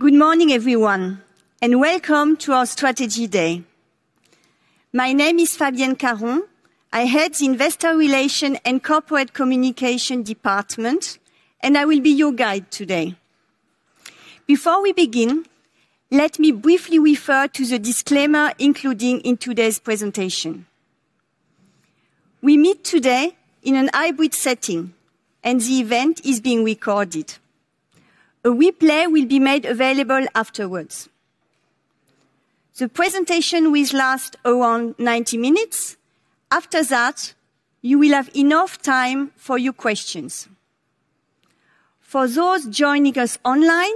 Good morning, everyone, and welcome to our Strategy Day. My name is Fabienne Caron. I head the Investor Relations and Corporate Communication department, and I will be your guide today. Before we begin, let me briefly refer to the disclaimer included in today's presentation. We meet today in a hybrid setting, and the event is being recorded. A replay will be made available afterwards. The presentation will last around 90 minutes. After that, you will have enough time for your questions. For those joining us online,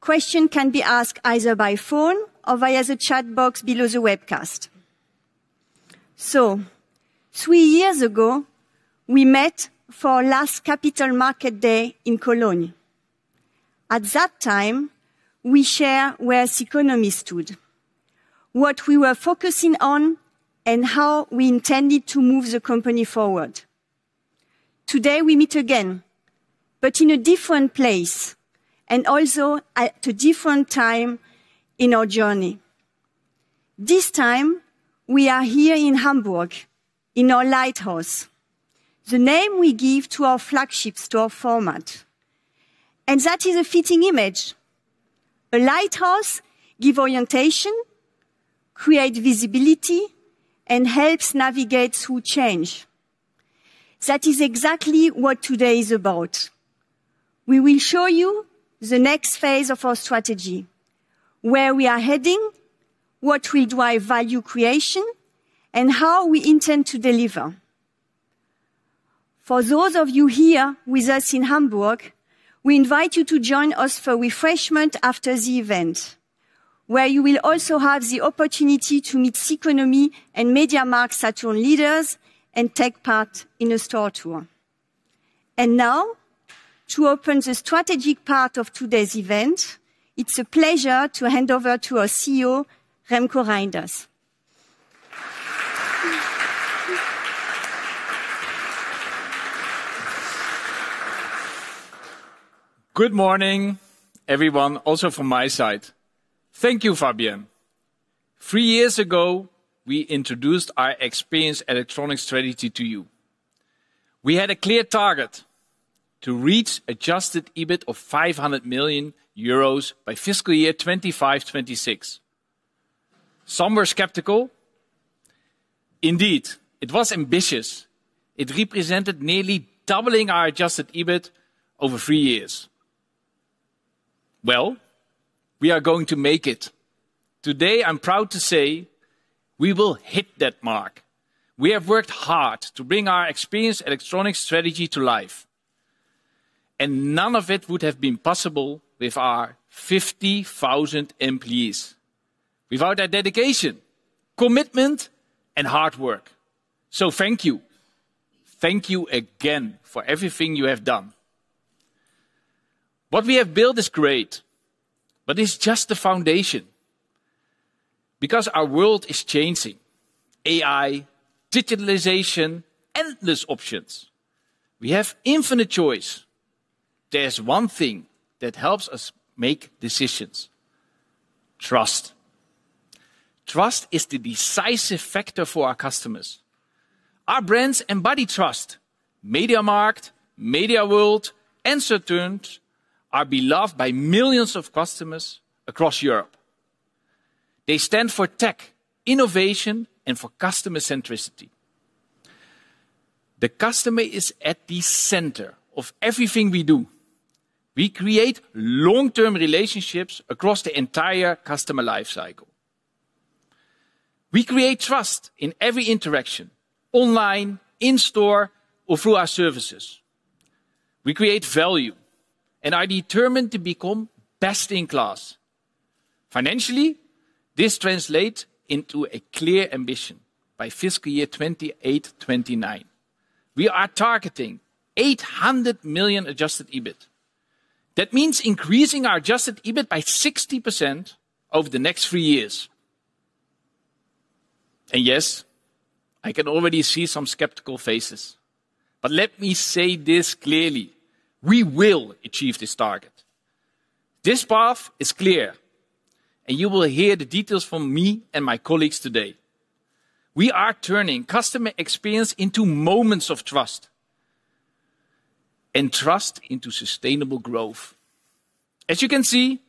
questions can be asked either by phone or via the chat box below the webcast. Three years ago, we met for our last Capital Market Day in Cologne. At that time, we shared where Ceconomy stood, what we were focusing on, and how we intended to move the company forward. Today we meet again, in a different place and also at a different time in our journey. This time we are here in Hamburg in our Lighthouse, the name we give to our flagship store format. That is a fitting image. A Lighthouse give orientation, create visibility, and helps navigate through change. That is exactly what today is about. We will show you the next phase of our strategy, where we are heading, what will drive value creation, and how we intend to deliver. For those of you here with us in Hamburg, we invite you to join us for refreshment after the event, where you will also have the opportunity to meet Ceconomy and MediaMarktSaturn leaders and take part in a store tour. Now to open the strategic part of today's event, it's a pleasure to hand over to our CEO, Remko Rijnders. Good morning, everyone, also from my side. Thank you, Fabienne. Three years ago, we introduced our Experience Electronics strategy to you. We had a clear target to reach adjusted EBIT of 500 million euros by fiscal year 2025/2026. Some were skeptical. Indeed, it was ambitious. It represented nearly doubling our adjusted EBIT over three years. We are going to make it. Today, I'm proud to say we will hit that mark. We have worked hard to bring our Experience Electronics strategy to life, and none of it would have been possible without 50,000 employees, without their dedication, commitment, and hard work. Thank you. Thank you again for everything you have done. What we have built is great, it's just the foundation because our world is changing. AI, digitalization, endless options. We have infinite choice. There's one thing that helps us make decisions: trust. Trust is the decisive factor for our customers. Our brands embody trust. MediaMarkt, MediaWorld, and Saturn are beloved by millions of customers across Europe. They stand for tech, innovation, and for customer centricity. The customer is at the center of everything we do. We create long-term relationships across the entire customer life cycle. We create trust in every interaction, online, in-store, or through our services. We create value and are determined to become best in class. Financially, this translates into a clear ambition by fiscal year 2028/2029. We are targeting 800 million adjusted EBIT. That means increasing our adjusted EBIT by 60% over the next three years. Yes, I can already see some skeptical faces. Let me say this clearly, we will achieve this target. This path is clear, and you will hear the details from me and my colleagues today. We are turning customer experience into Moments of Trust, and trust into sustainable growth. As you can see,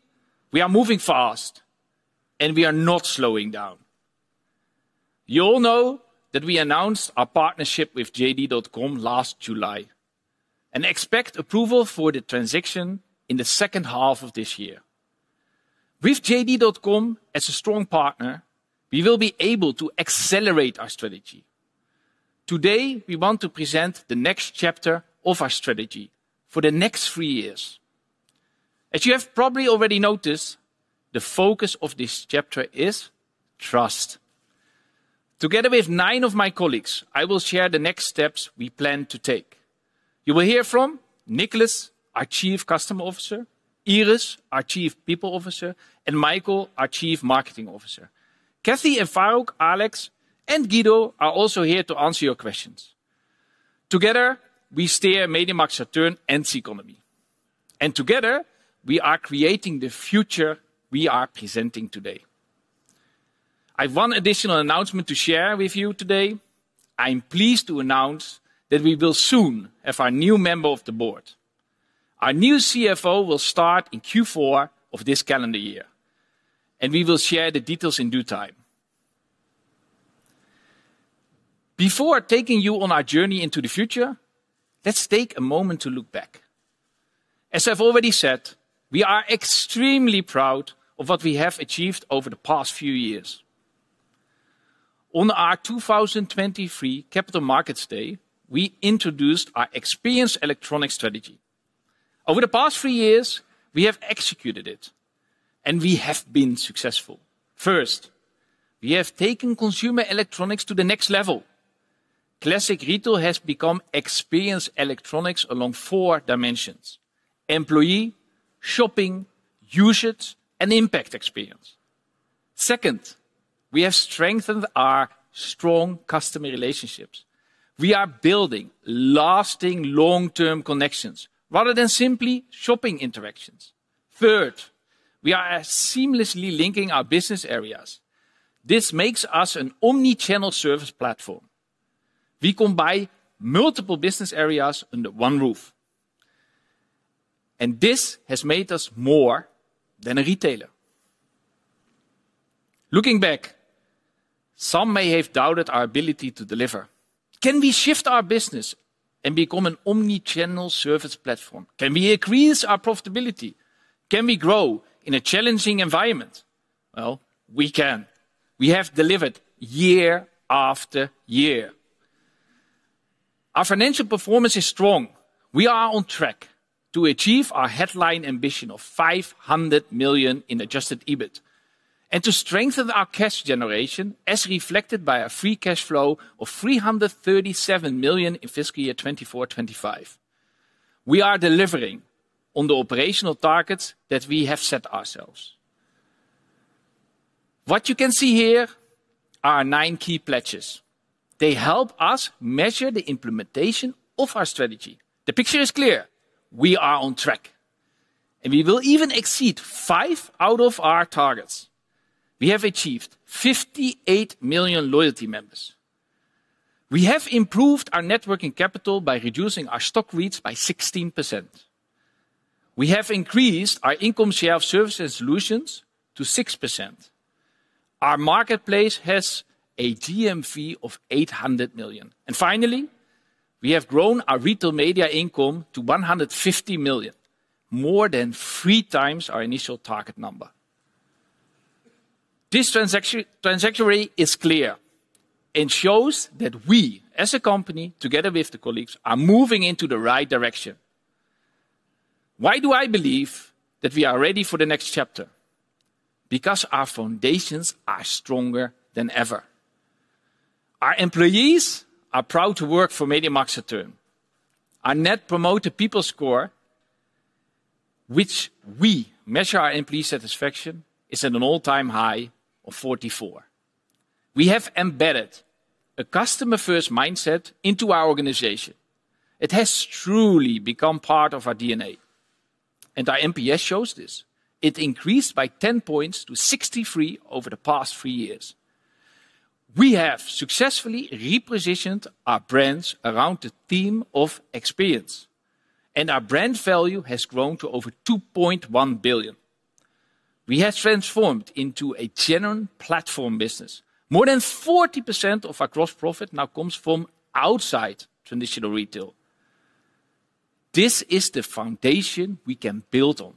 we are moving fast, and we are not slowing down. You all know that we announced our partnership with JD.com last July and expect approval for the transaction in the second half of this year. With JD.com as a strong partner, we will be able to accelerate our strategy. Today we want to present the next chapter of our strategy for the next three years. As you have probably already noticed, the focus of this chapter is trust. Together with nine of my colleagues, I will share the next steps we plan to take. You will hear from Niclas, our Chief Customer Officer, Iris, our Chief People Officer, and Michael, our Chief Marketing Officer. Kathy and Faruk, Alex and Guido are also here to answer your questions. Together, we steer MediaMarktSaturn and Ceconomy, and together, we are creating the future we are presenting today. I have one additional announcement to share with you today. I am pleased to announce that we will soon have our new member of the board. Our new CFO will start in Q4 of this calendar year, and we will share the details in due time. Before taking you on our journey into the future, let's take a moment to look back. As I have already said, we are extremely proud of what we have achieved over the past few years. On our 2023 Capital Markets Day, we introduced our Experience Electronics strategy. Over the past three years, we have executed it, and we have been successful. First, we have taken consumer electronics to the next level. Classic retail has become Experience Electronics along four dimensions: employee, shopping, usage, and impact experience. Second, we have strengthened our strong customer relationships. We are building lasting long-term connections rather than simply shopping interactions. Third, we are seamlessly linking our business areas. This makes us an omnichannel service platform. We combine multiple business areas under one roof, and this has made us more than a retailer. Looking back, some may have doubted our ability to deliver. Can we shift our business and become an omnichannel service platform? Can we increase our profitability? Can we grow in a challenging environment? Well, we can. We have delivered year after year. Our financial performance is strong. We are on track to achieve our headline ambition of 500 million in adjusted EBIT and to strengthen our cash generation, as reflected by a free cash flow of 337 million in fiscal year 2024/2025. We are delivering on the operational targets that we have set ourselves. What you can see here are nine key pledges. They help us measure the implementation of our strategy. The picture is clear. We are on track, and we will even exceed five out of our targets. We have achieved 58 million loyalty members. We have improved our networking capital by reducing our stock rates by 16%. We have increased our income shelf services solutions to 6%. Our Marketplace has a GMV of 800 million. Finally, we have grown our Retail Media income to 150 million, more than three times our initial target number. This trajectory is clear and shows that we, as a company, together with the colleagues, are moving into the right direction. Why do I believe that we are ready for the next chapter? Because our foundations are stronger than ever. Our employees are proud to work for MediaMarktSaturn. Our Employee Net Promoter Score, which we measure our employee satisfaction, is at an all-time high of 44. We have embedded a customer-first mindset into our organization. It has truly become part of our DNA, our NPS shows this. It increased by 10 points to 63 over the past three years. We have successfully repositioned our brands around the theme of experience, our brand value has grown to over 2.1 billion. We have transformed into a general platform business. More than 40% of our gross profit now comes from outside traditional retail. This is the foundation we can build on.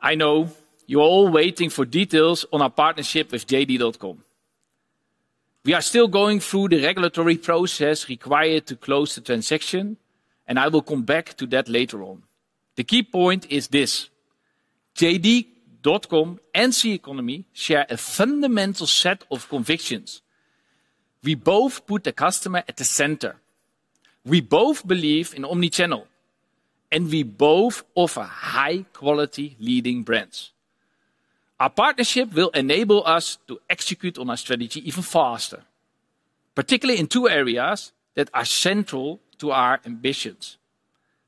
I know you're all waiting for details on our partnership with JD.com. We are still going through the regulatory process required to close the transaction, I will come back to that later on. The key point is this: JD.com and Ceconomy share a fundamental set of convictions. We both put the customer at the center. We both believe in omnichannel, we both offer high-quality leading brands. Our partnership will enable us to execute on our strategy even faster, particularly in two areas that are central to our ambitions: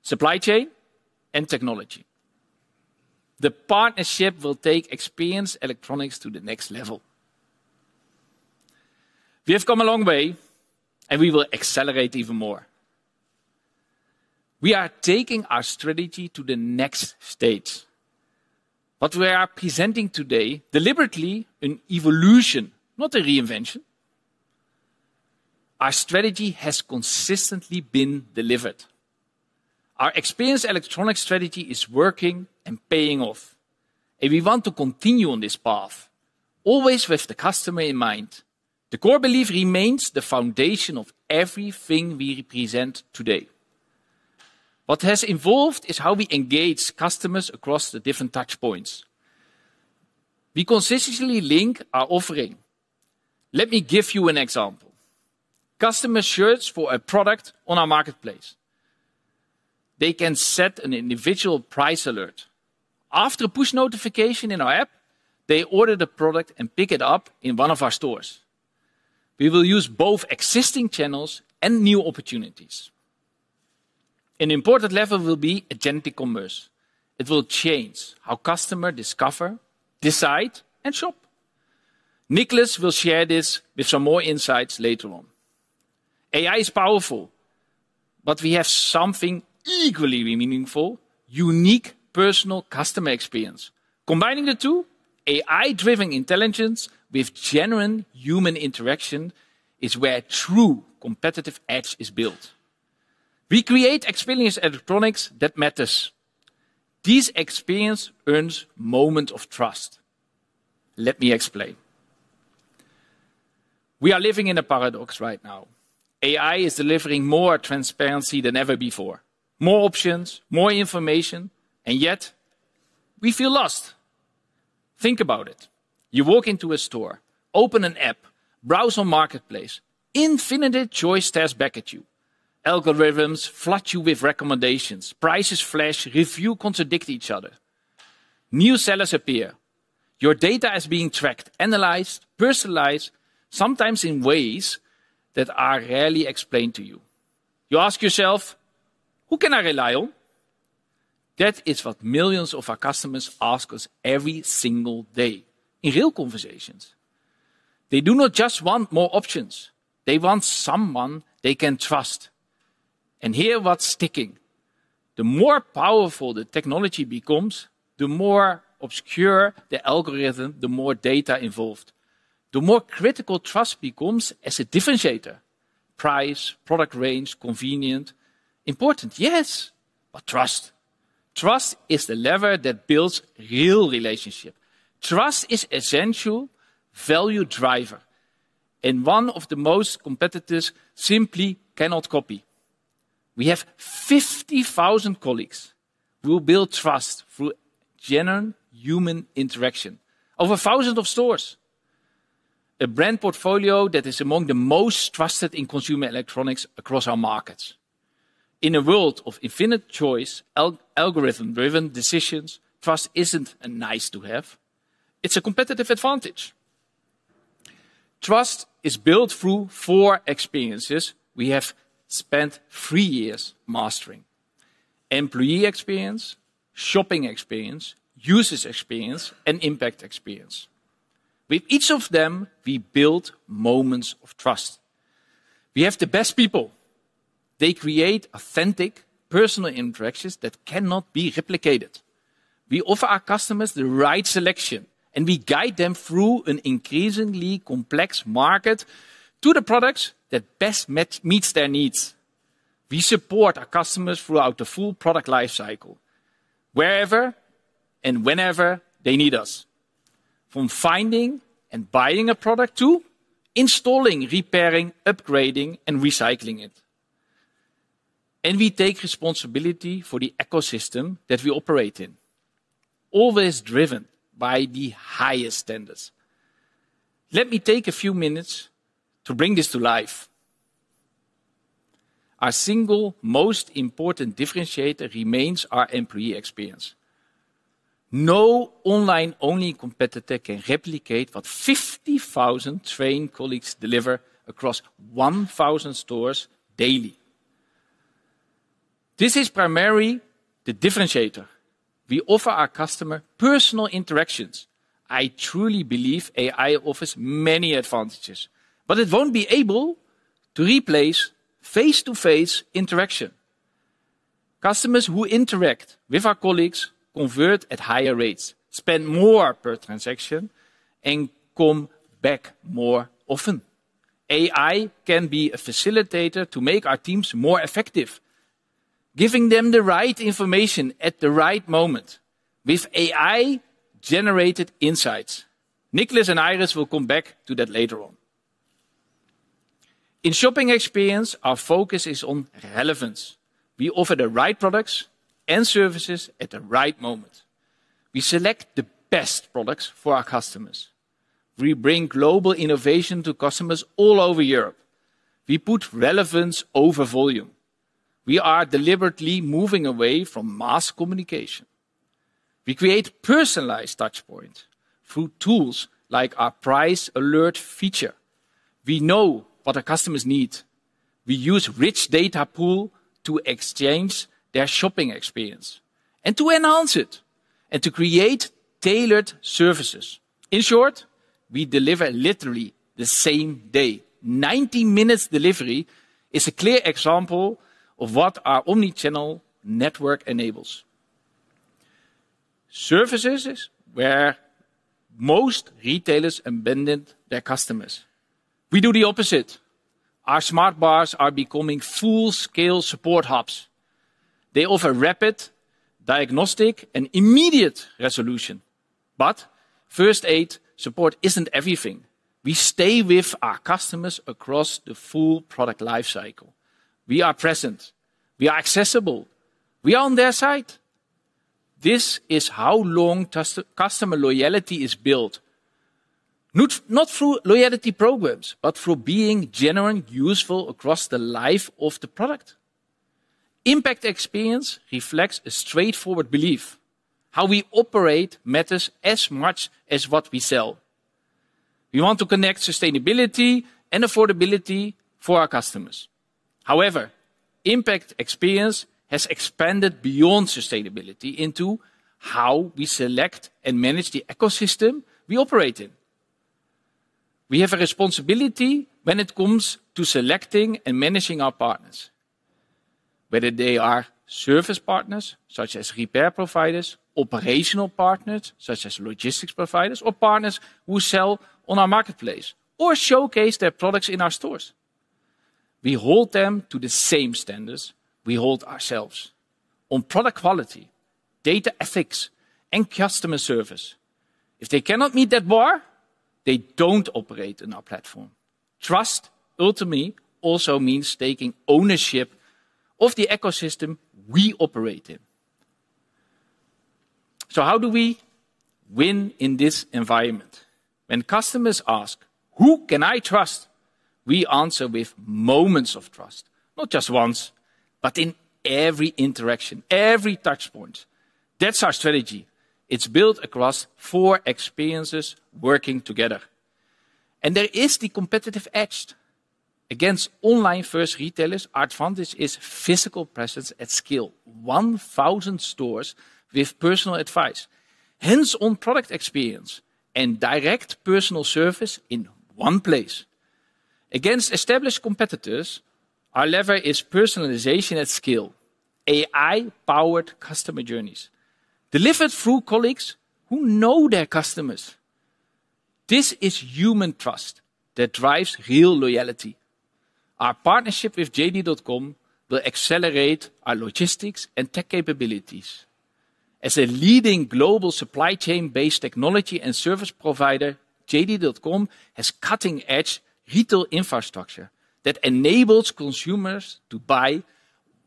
supply chain and technology. The partnership will take Experience Electronics to the next level. We have come a long way, we will accelerate even more. We are taking our strategy to the next stage. What we are presenting today, deliberately, an evolution, not a reinvention. Our strategy has consistently been delivered. Our Experience Electronics strategy is working and paying off, we want to continue on this path, always with the customer in mind. The core belief remains the foundation of everything we represent today. What has evolved is how we engage customers across the different touchpoints. We consistently link our offering. Let me give you an example. Customer searches for a product on our marketplace. They can set an individual price alert. After a push notification in our app, they order the product and pick it up in one of our stores. We will use both existing channels and new opportunities. An important lever will be agentic commerce. It will change how customers discover, decide, and shop. Niclas will share this with some more insights later on. AI is powerful, we have something equally meaningful, unique personal customer experience. Combining the two, AI-driven intelligence with genuine human interaction is where true competitive edge is built. We create Experience Electronics that matters. This experience earns Moments of Trust. Let me explain. We are living in a paradox right now. AI is delivering more transparency than ever before. More options, more information, yet we feel lost. Think about it. You walk into a store, open an app, browse on marketplace. Infinite choice stares back at you. Algorithms flood you with recommendations, prices flash, reviews contradict each other. New sellers appear. Your data is being tracked, analyzed, personalized, sometimes in ways that are rarely explained to you. You ask yourself, who can I rely on? That is what millions of our customers ask us every single day in real conversations. They do not just want more options. They want someone they can trust. Here what's sticking. The more powerful the technology becomes, the more obscure the algorithm, the more data involved. The more critical trust becomes as a differentiator. Price, product range, convenience, important. Yes. Trust. Trust is the lever that builds real relationships. Trust is essential value driver, one of the most competitors simply cannot copy. We have 50,000 colleagues who build trust through genuine human interaction. Over thousands of stores. A brand portfolio that is among the most trusted in consumer electronics across our markets. In a world of infinite choice, algorithm-driven decisions, trust isn't a nice-to-have, it's a competitive advantage. Trust is built through four experiences we have spent 3 years mastering. Employee experience, shopping experience, user experience, and impact experience. With each of them, we build moments of trust. We have the best people. They create authentic personal interactions that cannot be replicated. We offer our customers the right selection, we guide them through an increasingly complex market to the products that best meets their needs. We support our customers throughout the full product life cycle, wherever and whenever they need us. From finding and buying a product to installing, repairing, upgrading, and recycling it. We take responsibility for the ecosystem that we operate in, always driven by the highest standards. Let me take a few minutes to bring this to life. Our single most important differentiator remains our employee experience. No online-only competitor can replicate what 50,000 trained colleagues deliver across 1,000 stores daily. This is primarily the differentiator. We offer our customer personal interactions. I truly believe AI offers many advantages, but it won't be able to replace face-to-face interaction. Customers who interact with our colleagues convert at higher rates, spend more per transaction, and come back more often. AI can be a facilitator to make our teams more effective, giving them the right information at the right moment with AI-generated insights. Niclas and Iris will come back to that later on. In shopping experience, our focus is on relevance. We offer the right products and services at the right moment. We select the best products for our customers. We bring global innovation to customers all over Europe. We put relevance over volume. We are deliberately moving away from mass communication. We create personalized touch points through tools like our price alert feature. We know what our customers need. We use rich data pool to enhance their shopping experience and to create tailored services. In short, we deliver literally the same day. 90 minutes delivery is a clear example of what our omnichannel network enables. Services is where most retailers abandoned their customers. We do the opposite. Our Smartbars are becoming full-scale support hubs. They offer rapid diagnostic and immediate resolution. First aid support isn't everything. We stay with our customers across the full product life cycle. We are present, we are accessible, we are on their side. This is how long customer loyalty is built. Not through loyalty programs, but through being genuine, useful across the life of the product. Impact experience reflects a straightforward belief: how we operate matters as much as what we sell. We want to connect sustainability and affordability for our customers. Impact experience has expanded beyond sustainability into how we select and manage the ecosystem we operate in. We have a responsibility when it comes to selecting and managing our partners, whether they are service partners such as repair providers, operational partners such as logistics providers, or partners who sell on our marketplace or showcase their products in our stores. We hold them to the same standards we hold ourselves on product quality, data ethics, and customer service. If they cannot meet that bar, they don't operate on our platform. Trust ultimately also means taking ownership of the ecosystem we operate in. How do we win in this environment? When customers ask, who can I trust? We answer with Moments of Trust. Not just once, but in every interaction, every touchpoint. That's our strategy. It's built across four experiences working together. There is the competitive edge against online first retailers. Our advantage is physical presence at scale 1,000 stores with personal advice, hands-on product experience, and direct personal service in one place. Against established competitors, our lever is personalization at scale, AI-powered customer journeys delivered through colleagues who know their customers. This is human trust that drives real loyalty. Our partnership with JD.com will accelerate our logistics and tech capabilities. As a leading global supply chain-based technology and service provider, JD.com has cutting-edge retail infrastructure that enables consumers to buy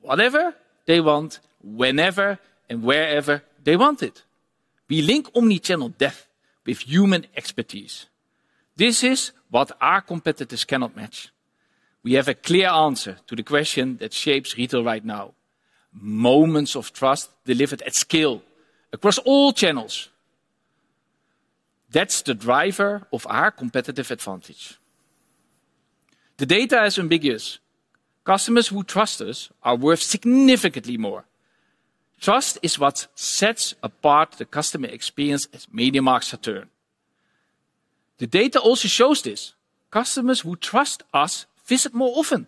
whatever they want, whenever and wherever they want it. We link omnichannel depth with human expertise. This is what our competitors cannot match. We have a clear answer to the question that shapes retail right now, Moments of Trust delivered at scale across all channels. That's the driver of our competitive advantage. The data is unambiguous. Customers who trust us are worth significantly more. Trust is what sets apart the customer experience at MediaMarktSaturn. The data also shows this. Customers who trust us visit more often.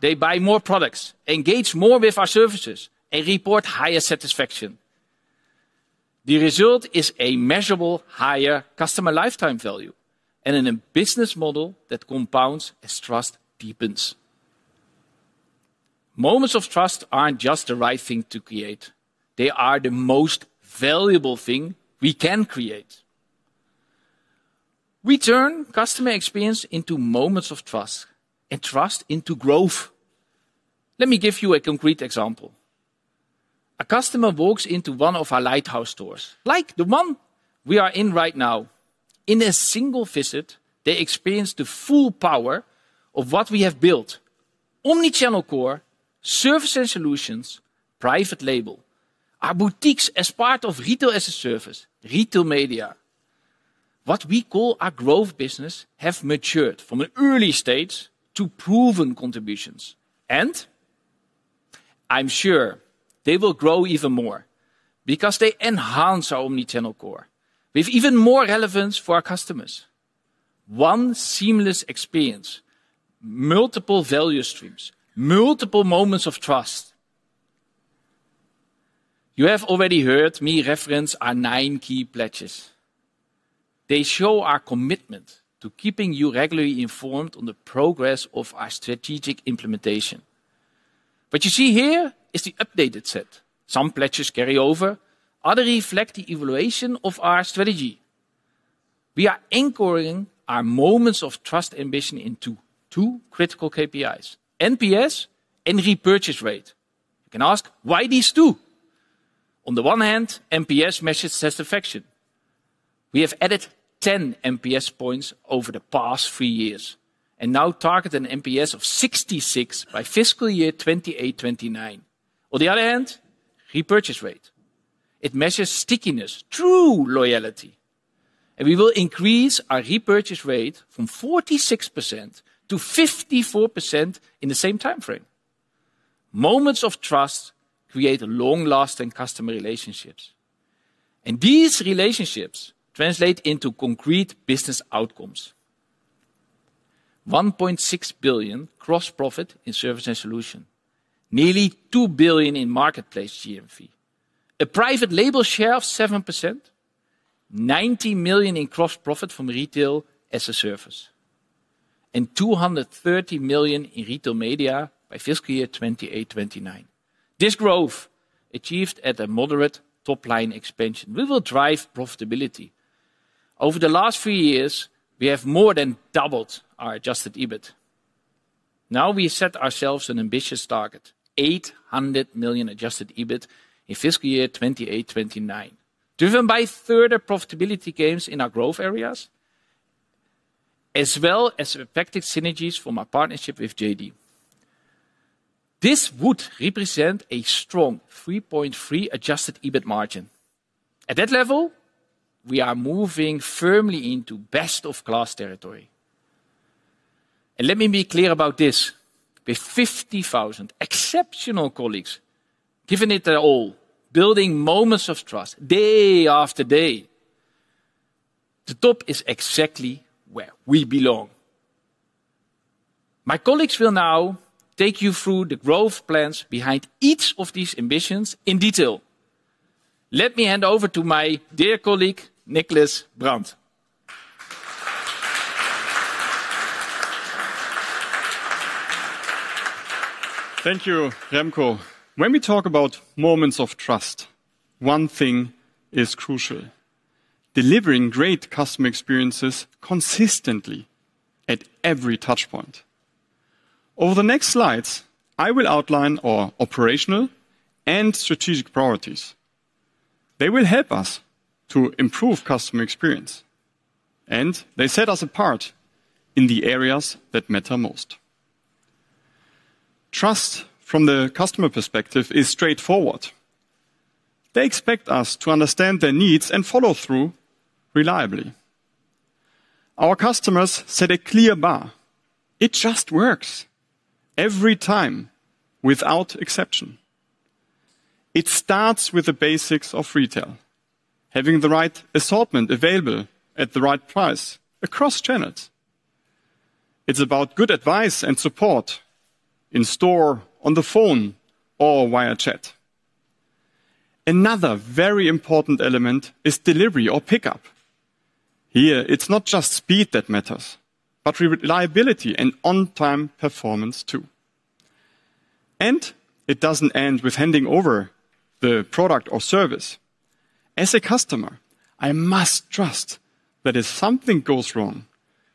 They buy more products, engage more with our services, and report higher satisfaction. The result is a measurable higher customer lifetime value and in a business model that compounds as trust deepens. Moments of Trust aren't just the right thing to create, they are the most valuable thing we can create. We turn customer experience into Moments of Trust and trust into growth. Let me give you a concrete example. A customer walks into one of our Lighthouse stores like the one we are in right now. In a single visit, they experience the full power of what we have built, omnichannel core, Services & Solutions, Private Label, our boutiques as part of Retail-as-a-Service, Retail Media. What we call our growth business have matured from an early stage to proven contributions. I'm sure they will grow even more because they enhance our omnichannel core with even more relevance for our customers. One seamless experience, multiple value streams, multiple Moments of Trust. You have already heard me reference our nine key pledges. They show our commitment to keeping you regularly informed on the progress of our strategic implementation. What you see here is the updated set. Some pledges carry over, others reflect the evaluation of our strategy. We are anchoring our Moments of Trust ambition into two critical KPIs, NPS and repurchase rate. You can ask, why these two? On the one hand, NPS measures satisfaction. We have added 10 NPS points over the past three years and now target an NPS of 66 by fiscal year 2028/2029. On the other hand, repurchase rate, it measures stickiness through loyalty. We will increase our repurchase rate from 46% to 54% in the same timeframe. Moments of Trust create long-lasting customer relationships. These relationships translate into concrete business outcomes. EUR 1.6 billion gross profit in Services & Solutions, nearly 2 billion in Marketplace GMV, a Private Label share of 7%, 90 million in gross profit from Retail-as-a-Service, and 230 million in Retail Media by fiscal year 2028/2029. This growth, achieved at a moderate top-line expansion, will drive profitability. Over the last few years, we have more than doubled our adjusted EBIT. We set ourselves an ambitious target, 800 million adjusted EBIT in fiscal year 2028/2029, driven by further profitability gains in our growth areas, as well as effective synergies from our partnership with JD. This would represent a strong 3.3% adjusted EBIT margin. At that level, we are moving firmly into best-of-class territory. Let me be clear about this. With 50,000 exceptional colleagues giving it their all, building Moments of Trust day after day, the top is exactly where we belong. My colleagues will now take you through the growth plans behind each of these ambitions in detail. Let me hand over to my dear colleague, Niclas Brandt. Thank you, Remko. When we talk about Moments of Trust, one thing is crucial: delivering great customer experiences consistently at every touch point. Over the next slides, I will outline our operational and strategic priorities. They will help us to improve customer experience, and they set us apart in the areas that matter most. Trust from the customer perspective is straightforward. They expect us to understand their needs and follow through reliably. Our customers set a clear bar. It just works every time, without exception. It starts with the basics of retail, having the right assortment available at the right price across channels. It's about good advice and support in store, on the phone, or via chat. Another very important element is delivery or pickup. Here, it's not just speed that matters, but reliability and on-time performance, too. It doesn't end with handing over the product or service. As a customer, I must trust that if something goes wrong,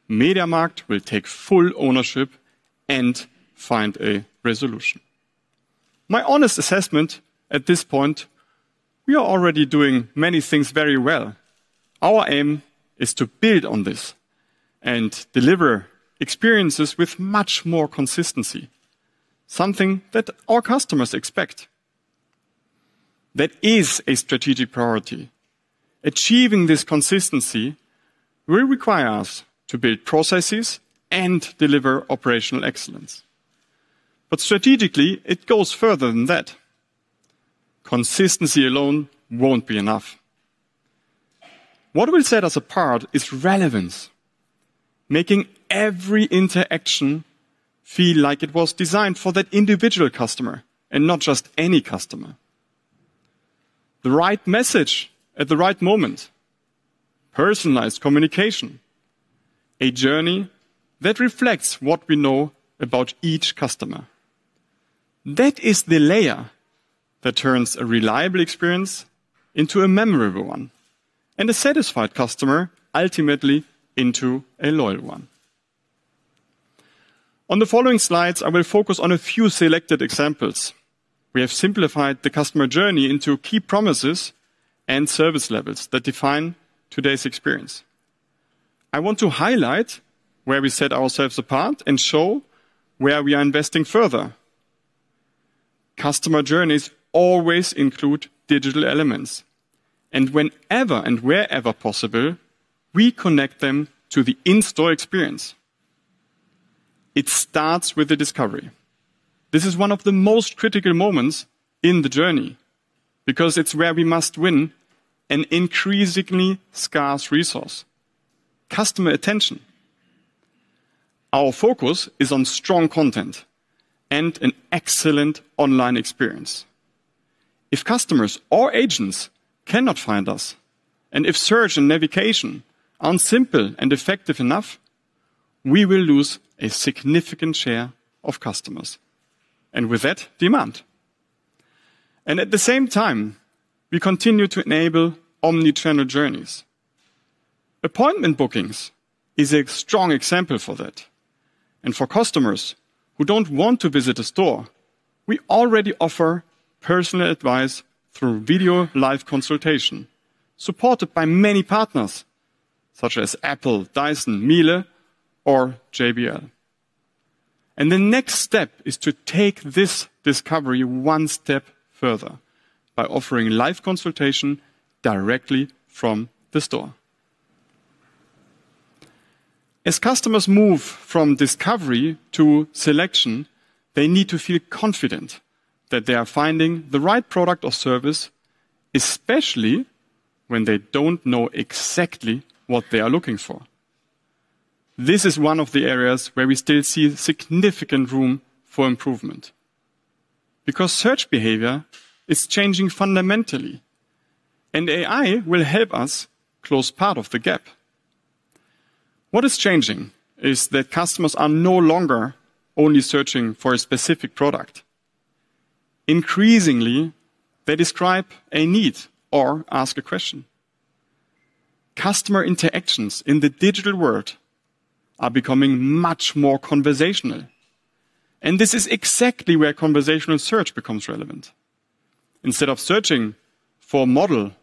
MediaMarkt will take full ownership and find a resolution. My honest assessment at this point, we are already doing many things very well. Our aim is to build on this and deliver experiences with much more consistency, something that our customers expect. That is a strategic priority. Achieving this consistency will require us to build processes and deliver operational excellence. Strategically, it goes further than that. Consistency alone won't be enough. What will set us apart is relevance, making every interaction feel like it was designed for that individual customer, and not just any customer. The right message at the right moment, personalized communication, a journey that reflects what we know about each customer. That is the layer that turns a reliable experience into a memorable one, and a satisfied customer ultimately into a loyal one. On the following slides, I will focus on a few selected examples. We have simplified the customer journey into key promises and service levels that define today's experience. I want to highlight where we set ourselves apart and show where we are investing further. Customer journeys always include digital elements. Whenever and wherever possible, we connect them to the in-store experience. It starts with the discovery. This is one of the most critical moments in the journey because it's where we must win an increasingly scarce resource: customer attention. Our focus is on strong content and an excellent online experience. If customers or agents cannot find us, and if search and navigation aren't simple and effective enough, we will lose a significant share of customers, and with that, demand. At the same time, we continue to enable omnichannel journeys. Appointment bookings is a strong example for that. For customers who don't want to visit a store, we already offer personal advice through video live consultation, supported by many partners such as Apple, Dyson, Miele, or JBL. The next step is to take this discovery one step further by offering live consultation directly from the store. As customers move from discovery to selection, they need to feel confident that they are finding the right product or service, especially when they don't know exactly what they are looking for. This is one of the areas where we still see significant room for improvement, because search behavior is changing fundamentally. AI will help us close part of the gap. What is changing is that customers are no longer only searching for a specific product. Increasingly, they describe a need or ask a question. Customer interactions in the digital world are becoming much more conversational. This is exactly where conversational search becomes relevant. Instead of searching for a model,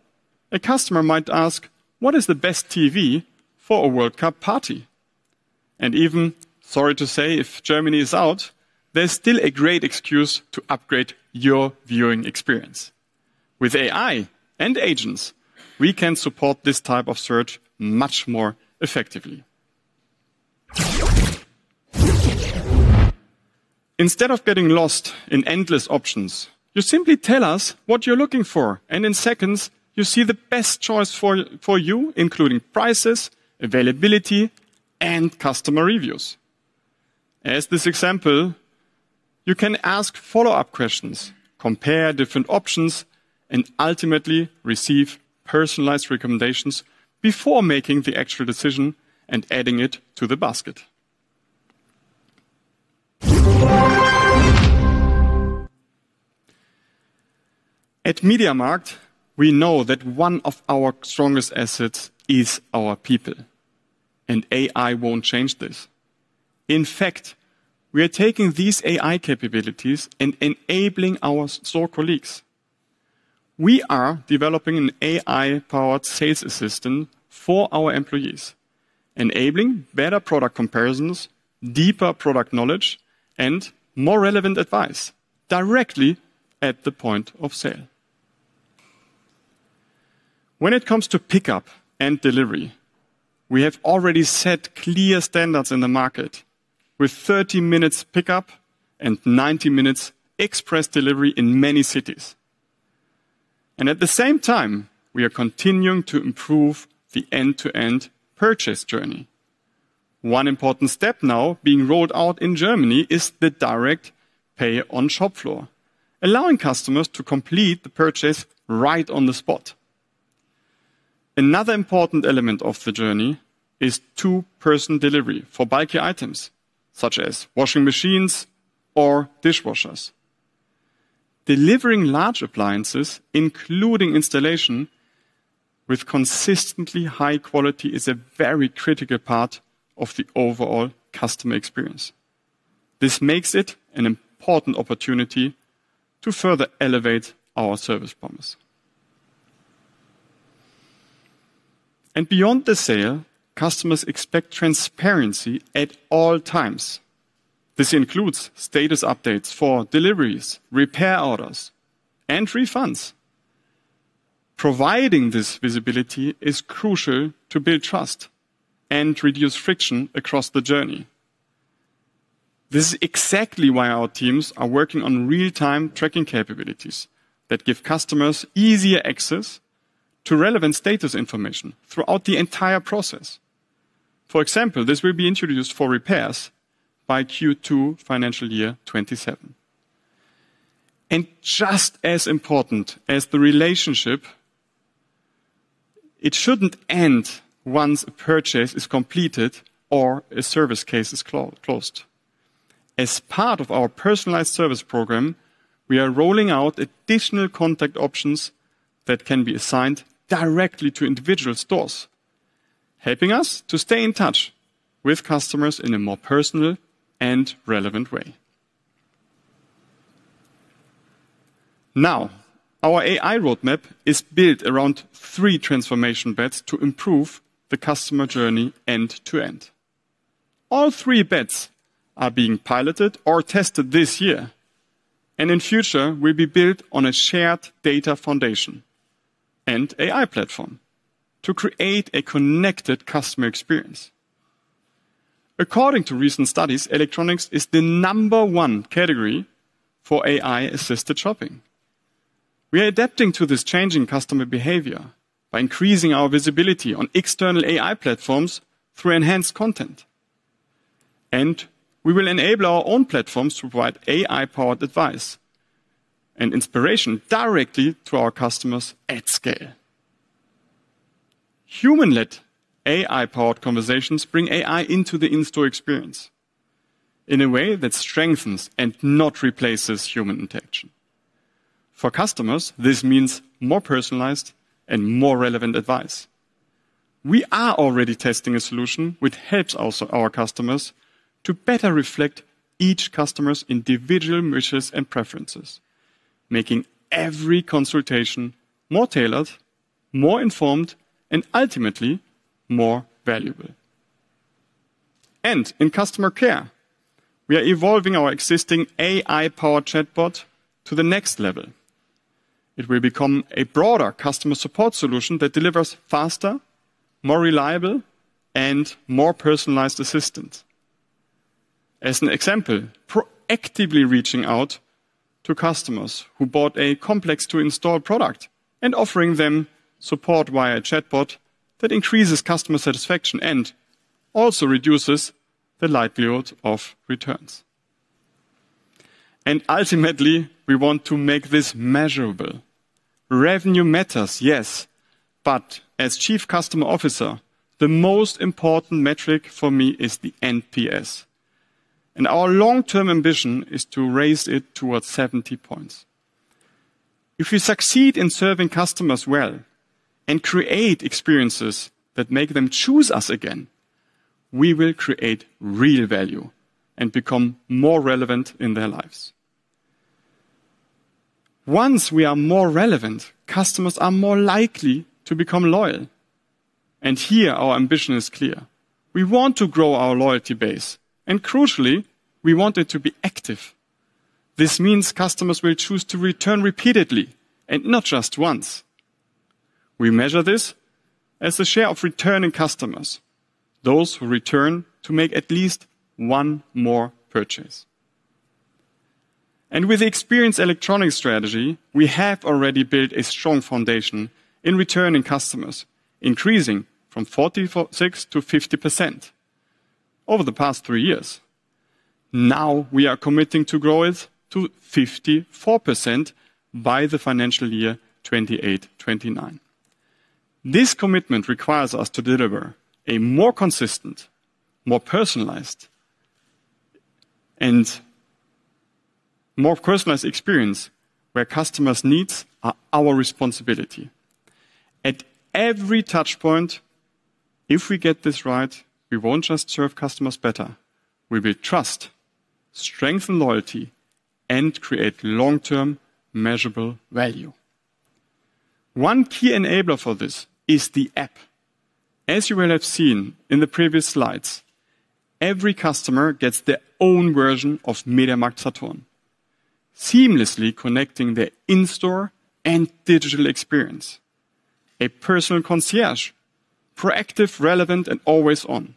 a customer might ask, what is the best TV for a World Cup party? Even, sorry to say, if Germany is out, there's still a great excuse to upgrade your viewing experience. With AI and agents, we can support this type of search much more effectively. Instead of getting lost in endless options, you simply tell us what you're looking for, and in seconds you see the best choice for you, including prices, availability, and customer reviews. As this example, you can ask follow-up questions, compare different options, and ultimately receive personalized recommendations before making the actual decision and adding it to the basket. At MediaMarkt, we know that one of our strongest assets is our people. AI won't change this. In fact, we are taking these AI capabilities and enabling our store colleagues. We are developing an AI-powered sales assistant for our employees, enabling better product comparisons, deeper product knowledge, and more relevant advice directly at the point of sale. When it comes to pickup and delivery, we have already set clear standards in the market with 30 minutes pickup and 90 minutes express delivery in many cities. At the same time, we are continuing to improve the end-to-end purchase journey. One important step now being rolled out in Germany is the direct pay on shop floor, allowing customers to complete the purchase right on the spot. Another important element of the journey is two-person delivery for bulky items such as washing machines or dishwashers. Delivering large appliances, including installation with consistently high quality, is a very critical part of the overall customer experience. This makes it an important opportunity to further elevate our service promise. Beyond the sale, customers expect transparency at all times. This includes status updates for deliveries, repair orders, and refunds. Providing this visibility is crucial to build trust and reduce friction across the journey. This is exactly why our teams are working on real-time tracking capabilities that give customers easier access to relevant status information throughout the entire process. For example, this will be introduced for repairs by Q2 FY 2027. Just as important as the relationship, it shouldn't end once a purchase is completed or a service case is closed. As part of our personalized service program, we are rolling out additional contact options that can be assigned directly to individual stores, helping us to stay in touch with customers in a more personal and relevant way. Our AI roadmap is built around three transformation bets to improve the customer journey end to end. All three bets are being piloted or tested this year, and in future, will be built on a shared data foundation and AI platform to create a connected customer experience. According to recent studies, electronics is the number one category for AI-assisted shopping. We are adapting to this changing customer behavior by increasing our visibility on external AI platforms through enhanced content. We will enable our own platforms to provide AI-powered advice and inspiration directly to our customers at scale. Human-led AI-powered conversations bring AI into the in-store experience in a way that strengthens and not replaces human interaction. For customers, this means more personalized and more relevant advice. We are already testing a solution which helps our customers to better reflect each customer's individual wishes and preferences, making every consultation more tailored, more informed, and ultimately more valuable. In customer care, we are evolving our existing AI-powered chatbot to the next level. It will become a broader customer support solution that delivers faster, more reliable, and more personalized assistance. As an example, proactively reaching out to customers who bought a complex to install product and offering them support via a chatbot that increases customer satisfaction and also reduces the likelihood of returns. Ultimately, we want to make this measurable. Revenue matters, yes, but as Chief Customer Officer, the most important metric for me is the NPS. Our long-term ambition is to raise it towards 70 points. If we succeed in serving customers well and create experiences that make them choose us again, we will create real value and become more relevant in their lives. Once we are more relevant, customers are more likely to become loyal. Here our ambition is clear. We want to grow our loyalty base, and crucially, we want it to be active. This means customers will choose to return repeatedly, and not just once. We measure this as the share of returning customers, those who return to make at least one more purchase. With the Experience Electronics strategy, we have already built a strong foundation in returning customers, increasing from 46% to 50% over the past three years. We are committing to grow it to 54% by FY 2028/2029. This commitment requires us to deliver a more consistent, more personalized experience where customers' needs are our responsibility. At every touch point, if we get this right, we won't just serve customers better. We build trust, strengthen loyalty, and create long-term measurable value. One key enabler for this is the app. As you will have seen in the previous slides, every customer gets their own version of MediaMarktSaturn, seamlessly connecting their in-store and digital experience. A personal concierge, proactive, relevant, and always on.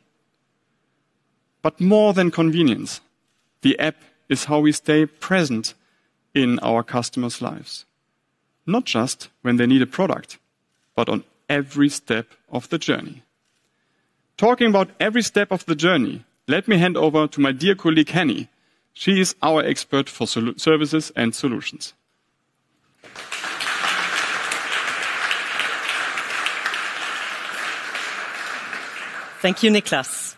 But more than convenience, the app is how we stay present in our customers' lives, not just when they need a product, but on every step of the journey. Talking about every step of the journey, let me hand over to my dear colleague, Henny. She is our expert for Services & Solutions. Thank you, Niclas.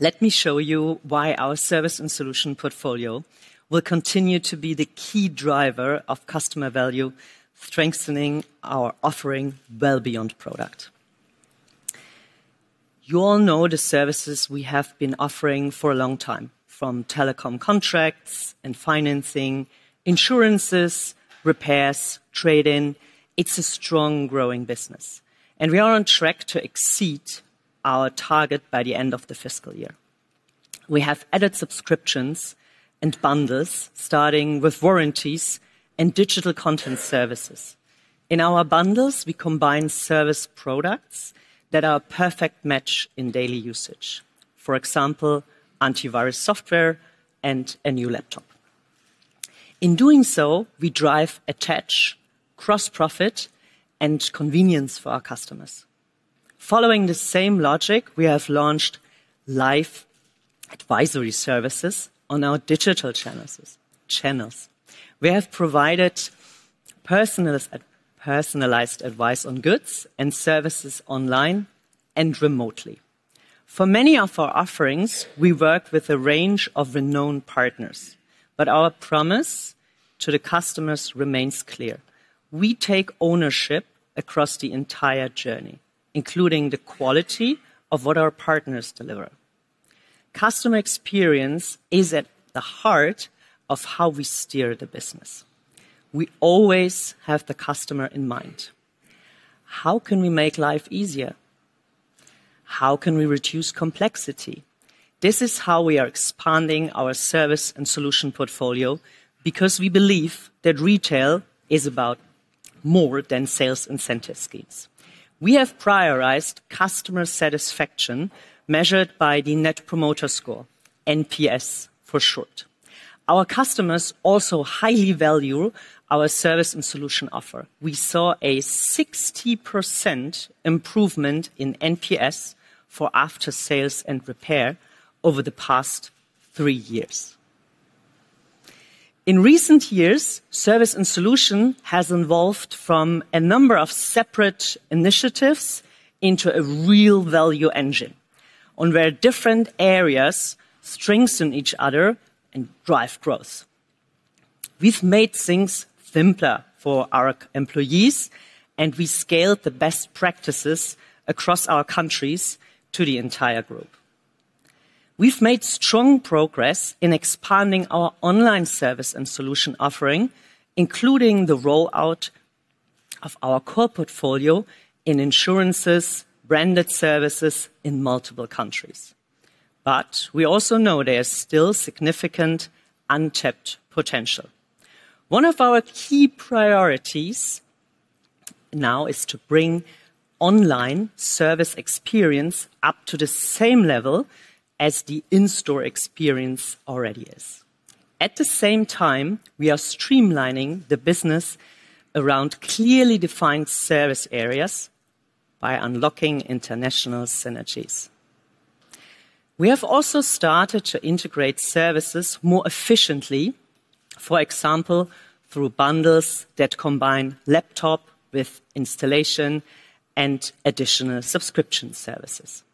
Let me show you why our Services & Solutions portfolio will continue to be the key driver of customer value, strengthening our offering well beyond product. You all know the services we have been offering for a long time, from telecom contracts and financing, insurances, repairs, trade-in. It's a strong growing business, and we are on track to exceed our target by the end of the fiscal year. We have added subscriptions and bundles starting with warranties and digital content services. In our bundles, we combine service products that are a perfect match in daily usage. For example, antivirus software and a new laptop. In doing so, we drive attach, cross-profit, and convenience for our customers. Following the same logic, we have launched live advisory services on our digital channels. We have provided personalized advice on goods and services online and remotely. For many of our offerings, we work with a range of renowned partners, but our promise to the customers remains clear. We take ownership across the entire journey, including the quality of what our partners deliver. Customer experience is at the heart of how we steer the business. We always have the customer in mind. How can we make life easier? How can we reduce complexity? This is how we are expanding our Services & Solutions portfolio because we believe that retail is about more than sales incentive schemes. We have prioritized customer satisfaction measured by the Net Promoter Score, NPS for short. Our customers also highly value our Services & Solution offer. We saw a 60% improvement in NPS for after sales and repair over the past three years. In recent years, Services & Solutions has evolved from a number of separate initiatives into a real value engine where different areas strengthen each other and drive growth. We've made things simpler for our employees, and we scaled the best practices across our countries to the entire group. We've made strong progress in expanding our online Services & Solutions offering, including the rollout of our core portfolio in insurances, branded services in multiple countries. But we also know there is still significant untapped potential. One of our key priorities now is to bring online service experience up to the same level as the in-store experience already is. At the same time, we are streamlining the business around clearly defined service areas by unlocking international synergies. We have also started to integrate services more efficiently, for example, through bundles that combine laptop with installation and additional subscription services.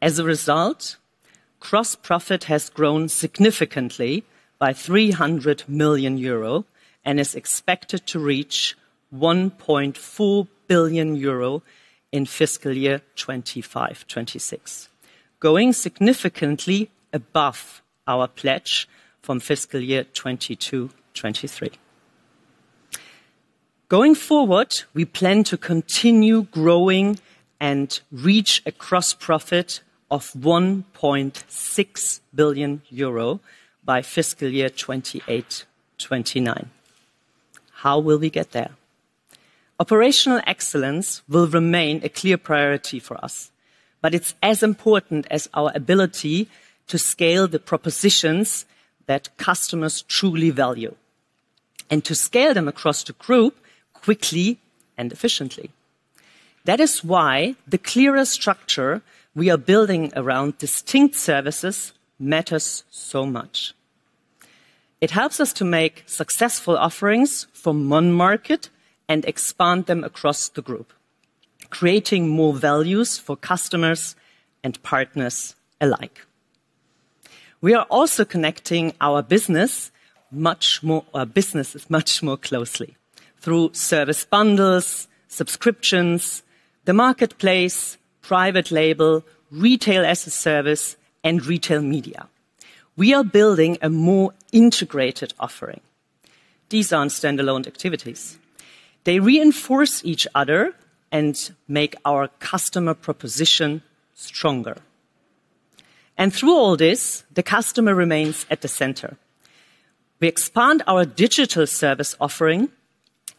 As a result, gross profit has grown significantly by 300 million euro and is expected to reach 1.4 billion euro in fiscal year 2025/2026, going significantly above our pledge from fiscal year 2022/2023. Going forward, we plan to continue growing and reach a gross profit of 1.6 billion euro by fiscal year 2028/2029. How will we get there? Operational excellence will remain a clear priority for us, but it's as important as our ability to scale the propositions that customers truly value and to scale them across the group quickly and efficiently. That is why the clearer structure we are building around distinct services matters so much. It helps us to make successful offerings from one market and expand them across the group, creating more values for customers and partners alike. We are also connecting our businesses much more closely through service bundles, subscriptions, the Marketplace, Private Label, Retail-as-a-Service, and Retail Media. We are building a more integrated offering. These aren't standalone activities. They reinforce each other and make our customer proposition stronger. Through all this, the customer remains at the center. We expand our digital service offering.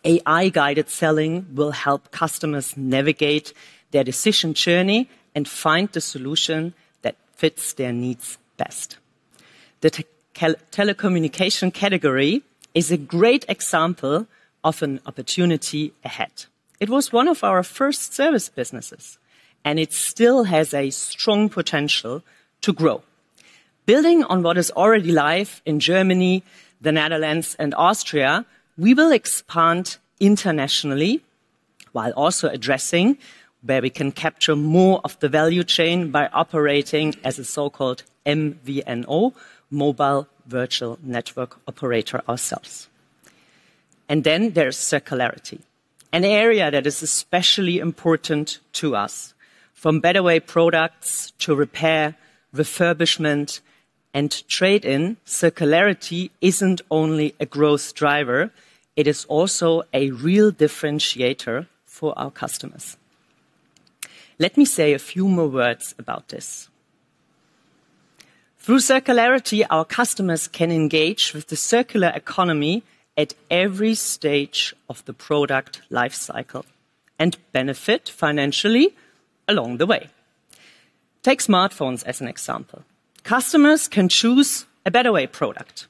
AI-guided selling will help customers navigate their decision journey and find the solution that fits their needs best. The telecommunication category is a great example of an opportunity ahead. It was one of our first service businesses, and it still has a strong potential to grow. Building on what is already live in Germany, the Netherlands, and Austria, we will expand internationally while also addressing where we can capture more of the value chain by operating as a so-called MVNO, mobile virtual network operator, ourselves. There's circularity, an area that is especially important to us. From BetterWay products to repair, refurbishment, and trade-in, circularity isn't only a growth driver, it is also a real differentiator for our customers. Let me say a few more words about this. Through circularity, our customers can engage with the circular economy at every stage of the product life cycle and benefit financially along the way. Take smartphones as an example. Customers can choose a BetterWay product,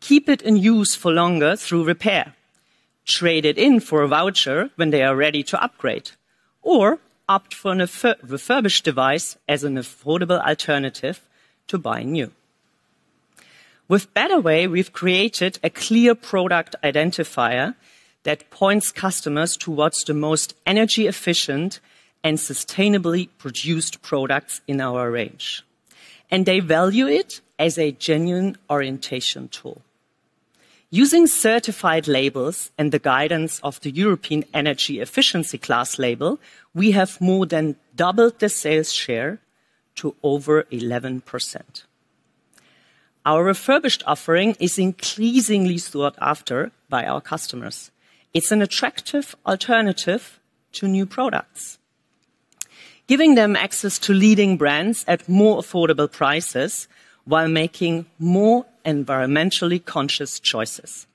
keep it in use for longer through repair, trade it in for a voucher when they are ready to upgrade, or opt for a refurbished device as an affordable alternative to buying new. With BetterWay, we've created a clear product identifier that points customers towards the most energy efficient and sustainably produced products in our range, and they value it as a genuine orientation tool. Using certified labels and the guidance of the European Energy Efficiency Class label, we have more than doubled the sales share to over 11%. Our refurbished offering is increasingly sought after by our customers. It's an attractive alternative to new products, giving them access to leading brands at more affordable prices while making more environmentally conscious choices.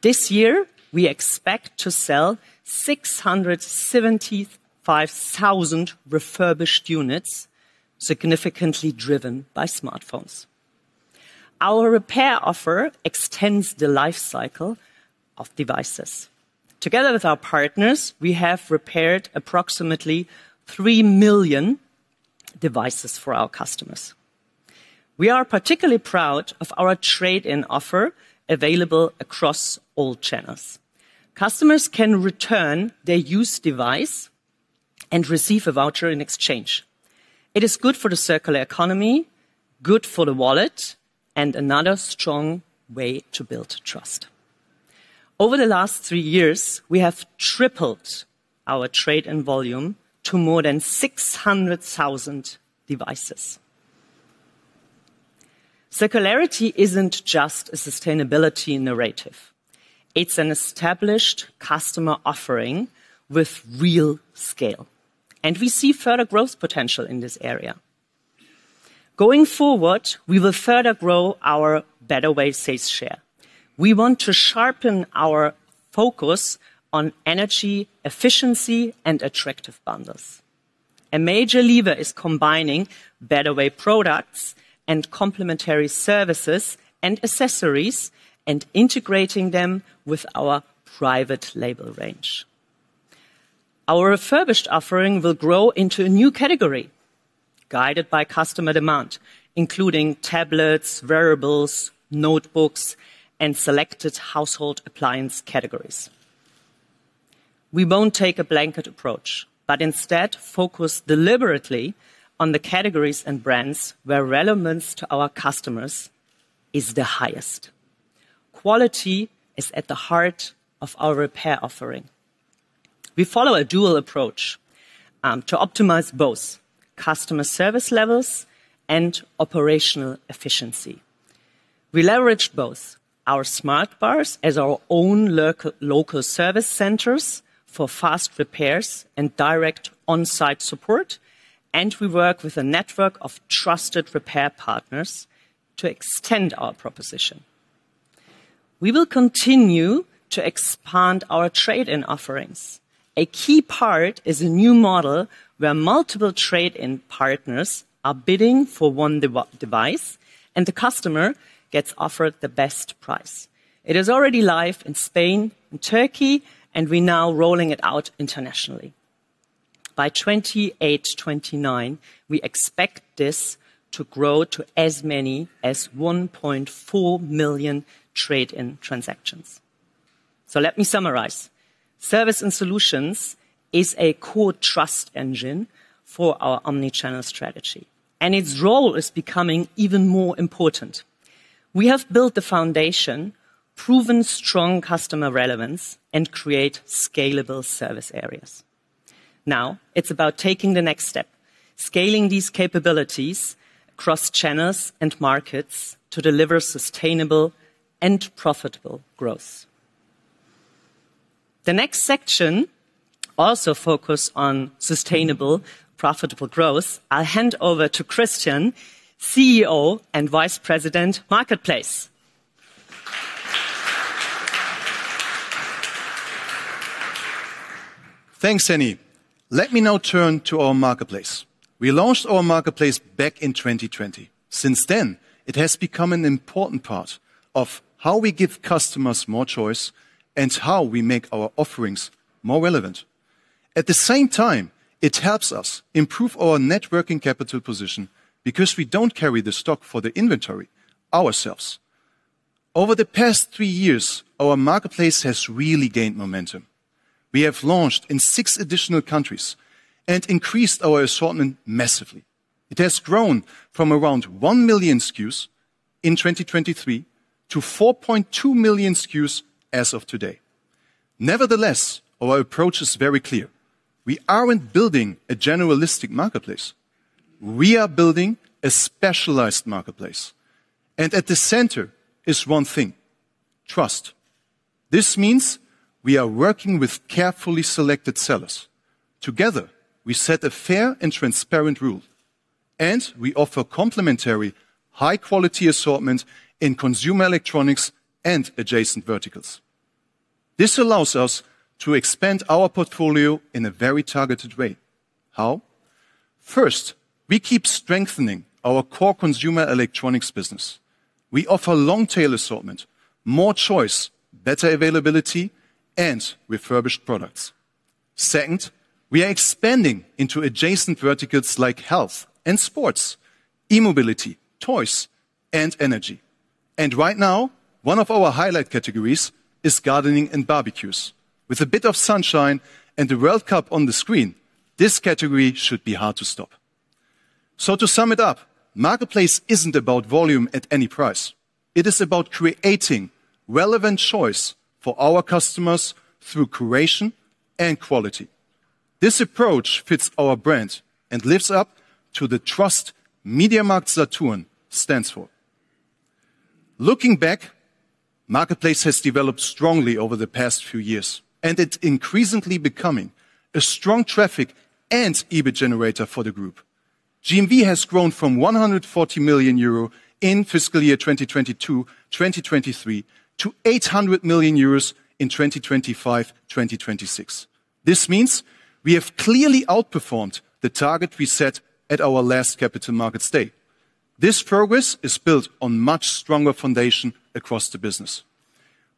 This year, we expect to sell 675,000 refurbished units, significantly driven by smartphones. Our repair offer extends the life cycle of devices. Together with our partners, we have repaired approximately three million devices for our customers. We are particularly proud of our trade-in offer available across all channels. Customers can return their used device and receive a voucher in exchange. It is good for the circular economy, good for the wallet, and another strong way to build trust. Over the last three years, we have tripled our trade-in volume to more than 600,000 devices. Circularity isn't just a sustainability narrative. It's an established customer offering with real scale, and we see further growth potential in this area. Going forward, we will further grow our BetterWay sales share. We want to sharpen our focus on energy efficiency and attractive bundles. A major lever is combining BetterWay products and complementary services and accessories and integrating them with our Private Label range. Our refurbished offering will grow into a new category guided by customer demand, including tablets, wearables, notebooks, and selected household appliance categories. We won't take a blanket approach, but instead focus deliberately on the categories and brands where relevance to our customers is the highest. Quality is at the heart of our repair offering. We follow a dual approach to optimize both customer service levels and operational efficiency. We leverage both our Smartbars as our own local service centers for fast repairs and direct onsite support, and we work with a network of trusted repair partners to extend our proposition. We will continue to expand our trade-in offerings. A key part is a new model where multiple trade-in partners are bidding for one device, and the customer gets offered the best price. It is already live in Spain and Turkey, and we're now rolling it out internationally. By 2028/2029, we expect this to grow to as many as 1.4 million trade-in transactions. Let me summarize. Services & Solutions is a core trust engine for our omnichannel strategy, and its role is becoming even more important. We have built the foundation, proven strong customer relevance, and create scalable service areas. Now it's about taking the next step, scaling these capabilities across channels and markets to deliver sustainable and profitable growth. The next section also focus on sustainable profitable growth. I'll hand over to Christian, CEO and Vice President Marketplace. Thanks, Henny. Let me now turn to our Marketplace. We launched our Marketplace back in 2020. Since then, it has become an important part of how we give customers more choice and how we make our offerings more relevant. At the same time, it helps us improve our net working capital position because we don't carry the stock for the inventory ourselves. Over the past three years, our Marketplace has really gained momentum. We have launched in six additional countries and increased our assortment massively. It has grown from around one million SKUs in 2023 to 4.2 million SKUs as of today. Nevertheless, our approach is very clear. We aren't building a generalistic Marketplace. We are building a specialized Marketplace, and at the center is one thing: trust. This means we are working with carefully selected sellers. Together, we set a fair and transparent rule. We offer complementary high-quality assortment in consumer electronics and adjacent verticals. This allows us to expand our portfolio in a very targeted way. How? First, we keep strengthening our core consumer electronics business. We offer long-tail assortment, more choice, better availability, and refurbished products. Second, we are expanding into adjacent verticals like health and sports, e-mobility, toys, and energy. Right now, one of our highlight categories is gardening and barbecues. With a bit of sunshine and the World Cup on the screen, this category should be hard to stop. To sum it up, Marketplace isn't about volume at any price. It is about creating relevant choice for our customers through curation and quality. This approach fits our brand and lives up to the trust MediaMarktSaturn stands for. Looking back, Marketplace has developed strongly over the past few years. It's increasingly becoming a strong traffic and EBIT generator for the group. GMV has grown from 140 million euro in fiscal year 2022/2023 to 800 million euros in 2025/2026. This means we have clearly outperformed the target we set at our last Capital Markets Day. This progress is built on much stronger foundation across the business.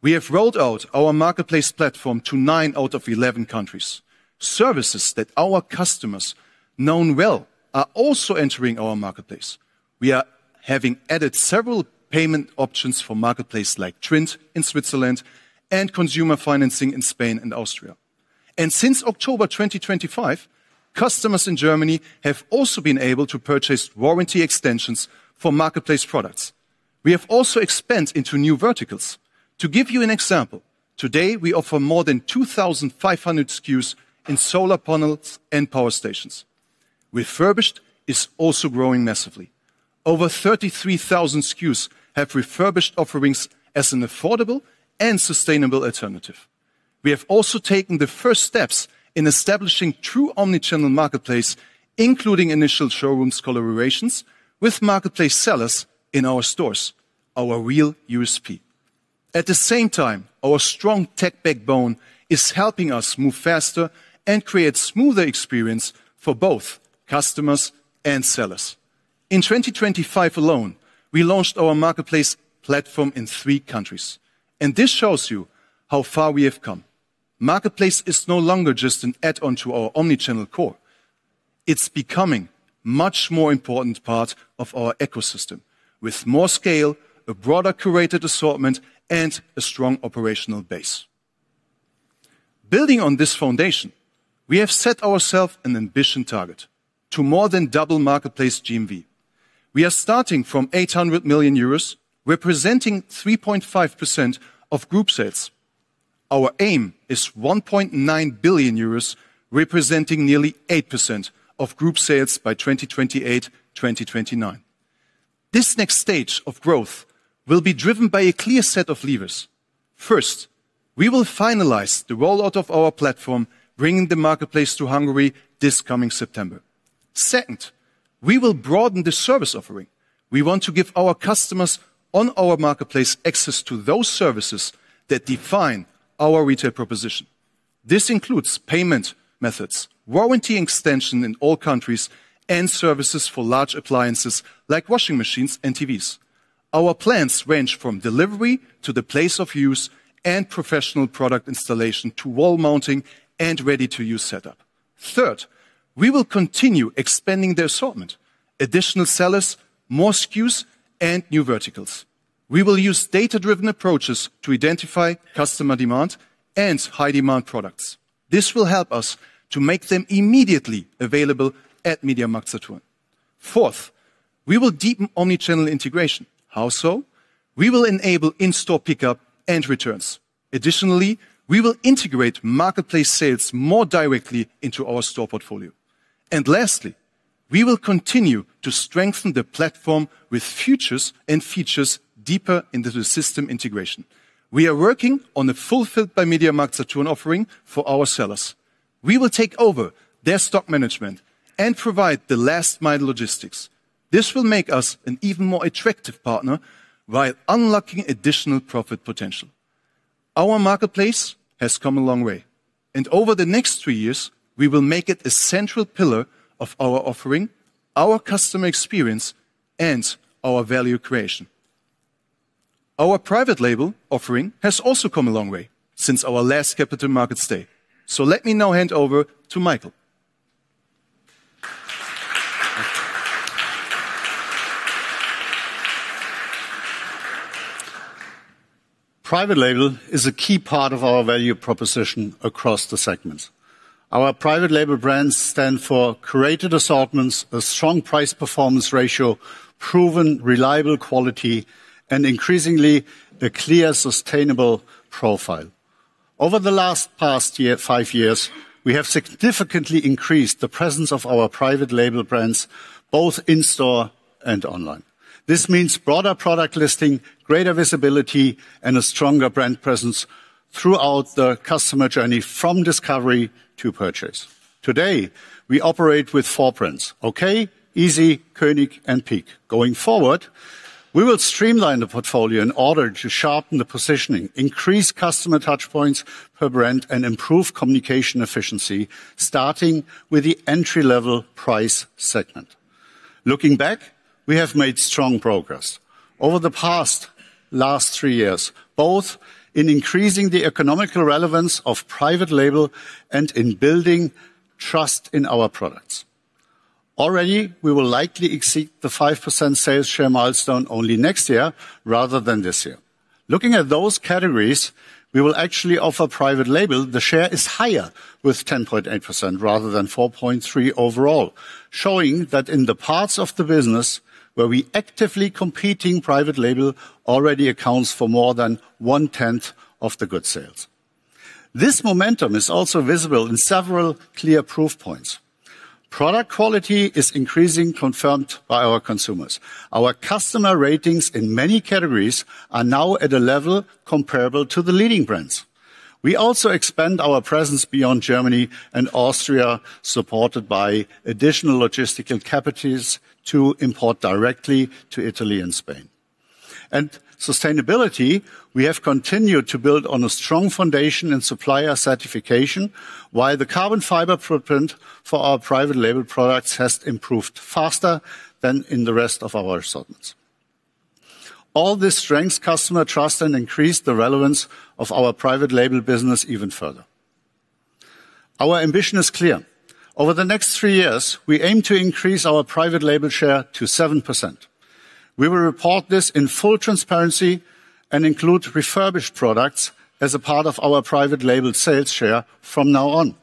We have rolled out our Marketplace platform to nine out of 11 countries. Services that our customers known well are also entering our Marketplace. We are having added several payment options for Marketplace like TWINT in Switzerland and consumer financing in Spain and Austria. Since October 2025, customers in Germany have also been able to purchase warranty extensions for Marketplace products. We have also expanded into new verticals. To give you an example, today, we offer more than 2,500 SKUs in solar panels and power stations. Refurbished is also growing massively. Over 33,000 SKUs have refurbished offerings as an affordable and sustainable alternative. We have also taken the first steps in establishing true omnichannel Marketplace, including initial showrooms collaborations with Marketplace sellers in our stores, our real USP. At the same time, our strong tech backbone is helping us move faster and create smoother experience for both customers and sellers. In 2025 alone, we launched our Marketplace platform in three countries. This shows you how far we have come. Marketplace is no longer just an add-on to our omnichannel core. It's becoming much more important part of our ecosystem with more scale, a broader curated assortment, and a strong operational base. Building on this foundation, we have set ourself an ambition target to more than double Marketplace GMV. We are starting from 800 million euros, representing 3.5% of group sales. Our aim is 1.9 billion euros, representing nearly 8% of group sales by 2028/2029. This next stage of growth will be driven by a clear set of levers. First, we will finalize the rollout of our platform, bringing the Marketplace to Hungary this coming September. Second, we will broaden the service offering. We want to give our customers on our Marketplace access to those services that define our retail proposition. This includes payment methods, warranty extension in all countries, and services for large appliances like washing machines and TVs. Our plans range from delivery to the place of use and professional product installation to wall mounting and ready to use setup. Third, we will continue expanding the assortment, additional sellers, more SKUs, and new verticals. We will use data-driven approaches to identify customer demand and high-demand products. This will help us to make them immediately available at MediaMarktSaturn. Fourth, we will deepen omnichannel integration. How so? We will enable in-store pickup and returns. Additionally, we will integrate Marketplace sales more directly into our store portfolio. Lastly, we will continue to strengthen the platform with features and deeper into the system integration. We are working on a fulfilled by MediaMarktSaturn offering for our sellers. We will take over their stock management and provide the last mile logistics. This will make us an even more attractive partner while unlocking additional profit potential. Our Marketplace has come a long way, and over the next three years, we will make it a central pillar of our offering, our customer experience, and our value creation. Our Private Label offering has also come a long way since our last Capital Markets Day. Let me now hand over to Michael. Private label is a key part of our value proposition across the segments. Our Private Label brands stand for curated assortments, a strong price-performance ratio, proven reliable quality, and increasingly, a clear, sustainable profile. Over the last five years, we have significantly increased the presence of our Private Label brands, both in-store and online. This means broader product listing, greater visibility, and a stronger brand presence throughout the customer journey from discovery to purchase. Today, we operate with four brands, ok., ISY, KOENIC, and PEAQ. Going forward, we will streamline the portfolio in order to sharpen the positioning, increase customer touch points per brand, and improve communication efficiency, starting with the entry-level price segment. Looking back, we have made strong progress. Over the past three years, both in increasing the economical relevance of Private Label and in building trust in our products. Already, we will likely exceed the 5% sales share milestone only next year rather than this year. Looking at those categories we will actually offer Private Label, the share is higher, with 10.8% rather than 4.3% overall, showing that in the parts of the business where we actively competing Private Label already accounts for more than one tenth of the good sales. This momentum is also visible in several clear proof points. Product quality is increasing, confirmed by our consumers. Our customer ratings in many categories are now at a level comparable to the leading brands. We also expand our presence beyond Germany and Austria, supported by additional logistical capacities to import directly to Italy and Spain. Sustainability, we have continued to build on a strong foundation in supplier certification, while the carbon footprint for our Private Label products has improved faster than in the rest of our assortments. These strengths customer trust and increase the relevance of our Private Label business even further. Our ambition is clear. Over the next three years, we aim to increase our Private Label share to 7%. We will report this in full transparency and include refurbished products as a part of our Private Label sales share from now on.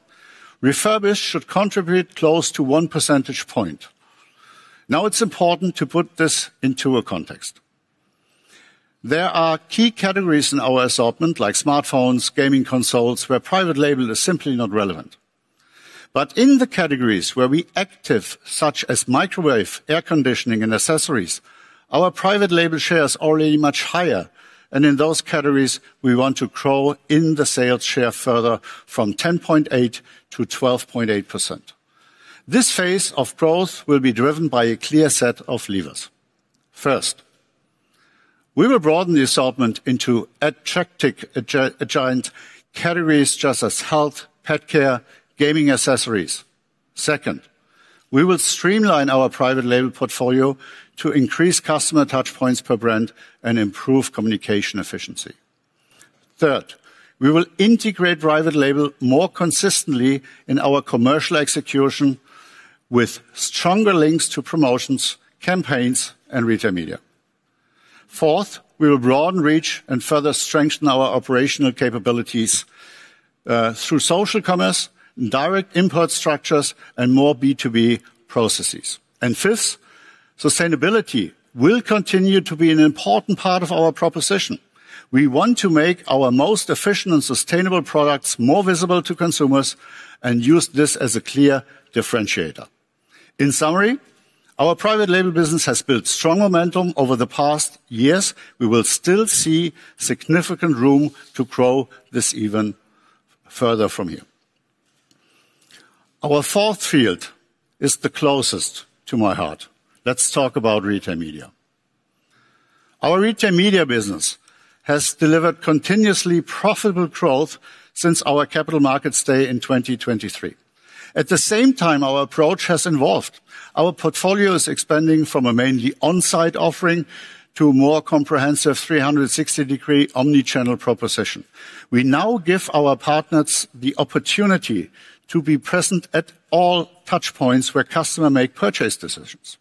Refurbished should contribute close to 1 percentage point. Now, it's important to put this into a context. There are key categories in our assortment, like smartphones, gaming consoles, where Private Label is simply not relevant. But in the categories where we active such as microwave, air conditioning, and accessories, our Private Label share is already much higher, and in those categories, we want to grow in the sales share further from 10.8% to 12.8%. This phase of growth will be driven by a clear set of levers. First, we will broaden the assortment into attractive adjacent categories just as health, pet care, gaming accessories. Second, we will streamline our Private Label portfolio to increase customer touch points per brand and improve communication efficiency. Third, we will integrate Private Label more consistently in our commercial execution with stronger links to promotions, campaigns, and Retail Media. Fourth, we will broaden reach and further strengthen our operational capabilities, through social commerce, direct input structures, and more B2B processes. Fifth, sustainability will continue to be an important part of our proposition. We want to make our most efficient and sustainable products more visible to consumers and use this as a clear differentiator. In summary, our Private Label business has built strong momentum over the past years. We will still see significant room to grow this even further from here. Our fourth field is the closest to my heart. Let's talk about Retail Media. Our Retail Media business has delivered continuously profitable growth since our capital markets day in 2023. At the same time, our approach has evolved. Our portfolio is expanding from a mainly on-site offering to a more comprehensive 360-degree omnichannel proposition. We now give our partners the opportunity to be present at all touchpoints where customers make purchase decisions.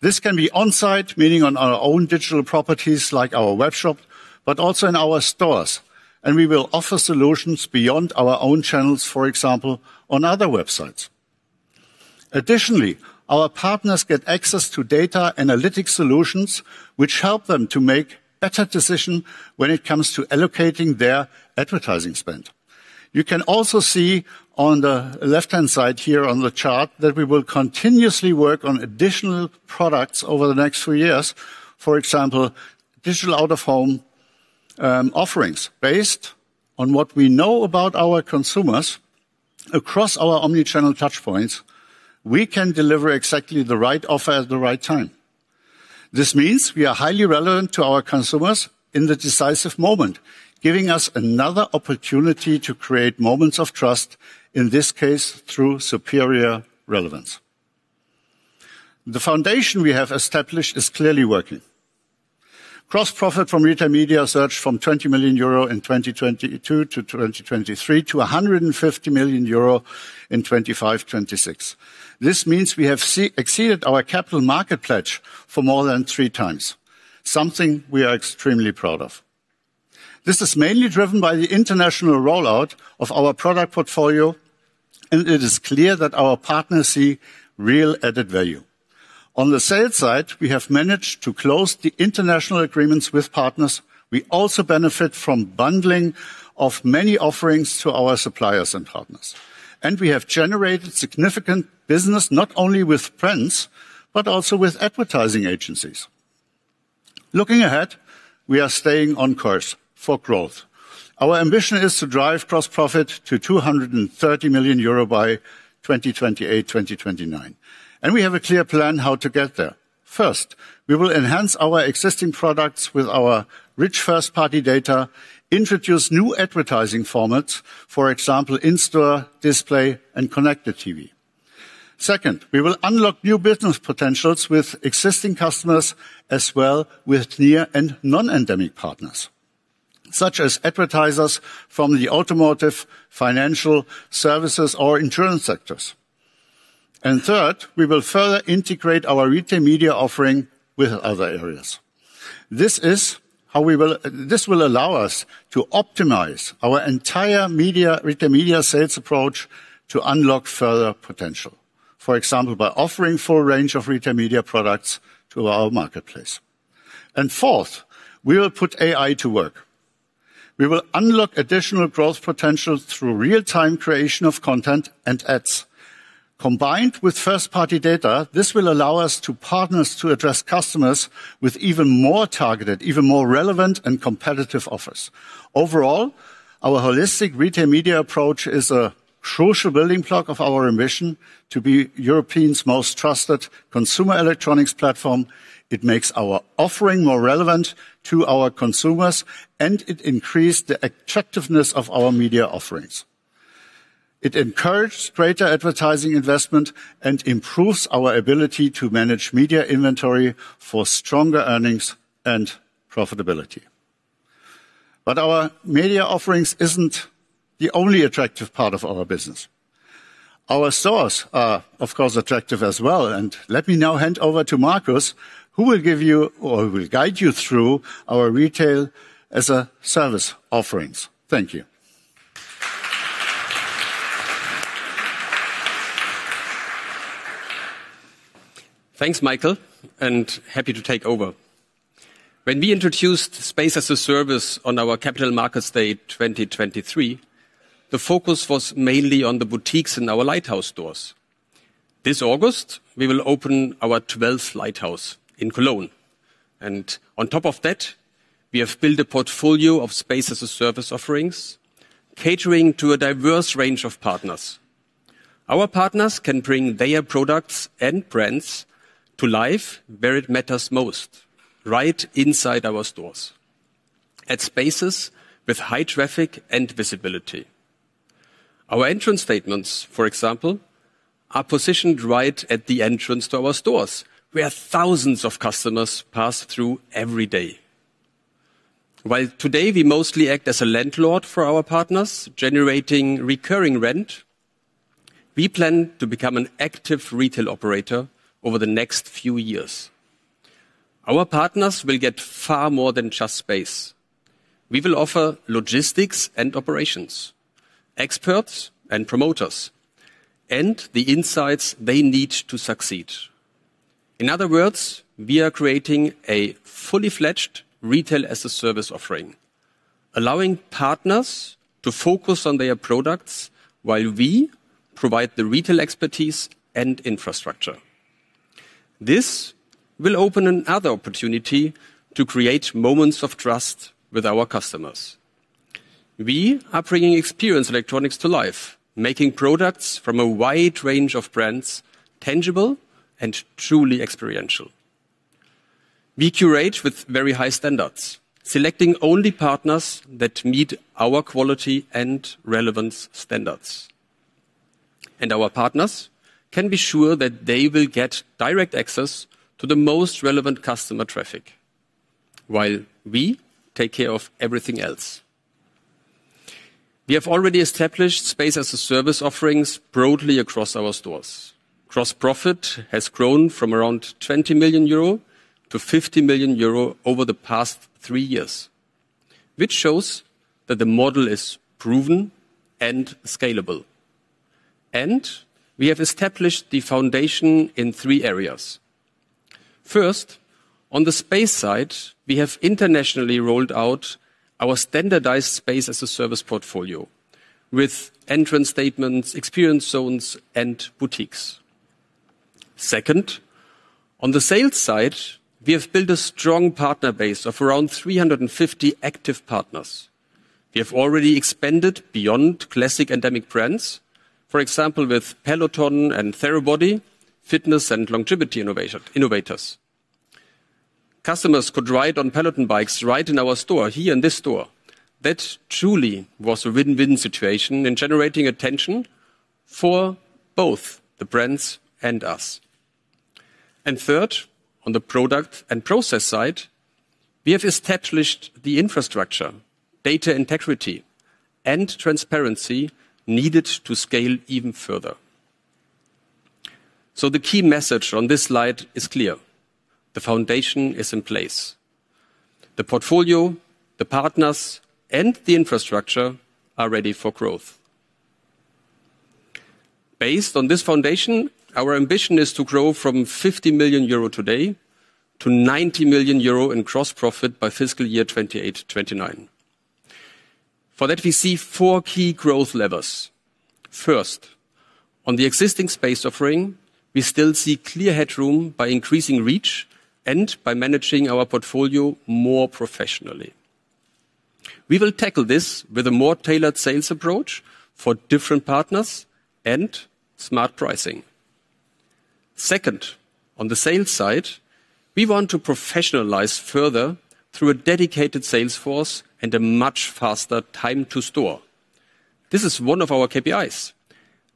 This can be on-site, meaning on our own digital properties like our webshop, but also in our stores, and we will offer solutions beyond our own channels, for example, on other websites. Additionally, our partners get access to data analytic solutions, which help them to make better decisions when it comes to allocating their advertising spend. You can also see on the left-hand side here on the chart that we will continuously work on additional products over the next three years. For example, digital out of home offerings. Based on what we know about our consumers across our omnichannel touchpoints, we can deliver exactly the right offer at the right time. This means we are highly relevant to our consumers in the decisive moment, giving us another opportunity to create Moments of Trust, in this case, through superior relevance. The foundation we have established is clearly working. Gross profit from Retail Media surged from 20 million euro in 2022/2023 to 150 million euro in 2025/2026. This means we have exceeded our capital market pledge for more than three times, something we are extremely proud of. This is mainly driven by the international rollout of our product portfolio, and it is clear that our partners see real added value. On the sales side, we have managed to close the international agreements with partners. We also benefit from bundling of many offerings to our suppliers and partners. We have generated significant business, not only with brands, but also with advertising agencies. Looking ahead, we are staying on course for growth. Our ambition is to drive gross profit to 230 million euro by 2028/2029. We have a clear plan how to get there. First, we will enhance our existing products with our rich first-party data, introduce new advertising formats, for example, in-store display and connected TV. Second, we will unlock new business potentials with existing customers as well with near and non-endemic partners, such as advertisers from the automotive, financial services or insurance sectors. Third, we will further integrate our Retail Media offering with other areas. This will allow us to optimize our entire Retail Media sales approach to unlock further potential. For example, by offering full range of Retail Media products to our Marketplace. Fourth, we will put AI to work. We will unlock additional growth potential through real-time creation of content and ads. Combined with first-party data, this will allow our partners to address customers with even more targeted, even more relevant and competitive offers. Overall, our holistic Retail Media approach is a crucial building block of our ambition to be Europe's most trusted consumer electronics platform. It makes our offering more relevant to our consumers, it increased the attractiveness of our media offerings. It encouraged greater advertising investment and improves our ability to manage media inventory for stronger earnings and profitability. Our media offerings isn't the only attractive part of our business. Our stores are, of course, attractive as well. Let me now hand over to Marcus, who will give you or will guide you through our Retail-as-a-Service offerings. Thank you. Thanks, Michael, and happy to take over. When we introduced Space-as-a-Service on our Capital Markets Day 2023, the focus was mainly on the boutiques in our Lighthouse stores. This August, we will open our 12th Lighthouse in Cologne. On top of that, we have built a portfolio of Space-as-a-Service offerings, catering to a diverse range of partners. Our partners can bring their products and brands to life where it matters most, right inside our stores, at spaces with high traffic and visibility. Our entrance displays, for example, are positioned right at the entrance to our stores, where thousands of customers pass through every day. While today we mostly act as a landlord for our partners, generating recurring rent, we plan to become an active retail operator over the next few years. Our partners will get far more than just space. We will offer logistics and operations, experts and promoters, and the insights they need to succeed. In other words, we are creating a fully fledged Retail-as-a-Service offering, allowing partners to focus on their products while we provide the retail expertise and infrastructure. This will open another opportunity to create Moments of Trust with our customers. We are bringing Experience Electronics to life, making products from a wide range of brands tangible and truly experiential. We curate with very high standards, selecting only partners that meet our quality and relevance standards. Our partners can be sure that they will get direct access to the most relevant customer traffic while we take care of everything else. We have already established Space-as-a-Service offerings broadly across our stores. Gross profit has grown from around 20 to 50 million over the past three years, which shows that the model is proven and scalable. We have established the foundation in three areas. First, on the space side, we have internationally rolled out our standardized Space-as-a-Service portfolio with entrance statements, experience zones, and boutiques. Second, on the sales side, we have built a strong partner base of around 350 active partners. We have already expanded beyond classic endemic brands, for example, with Peloton and Therabody, fitness and longevity innovators. Customers could ride on Peloton bikes right in our store, here in this store. That truly was a win-win situation in generating attention for both the brands and us. Third, on the product and process side, we have established the infrastructure, data integrity, and transparency needed to scale even further. The key message on this slide is clear. The foundation is in place. The portfolio, the partners, and the infrastructure are ready for growth. Based on this foundation, our ambition is to grow from 50 million euro today to 90 million euro in gross profit by fiscal year 2028/2029. For that, we see four key growth levers. First, on the existing space offering, we still see clear headroom by increasing reach and by managing our portfolio more professionally. We will tackle this with a more tailored sales approach for different partners and smart pricing. Second, on the sales side, we want to professionalize further through a dedicated sales force and a much faster time to store. This is one of our KPIs,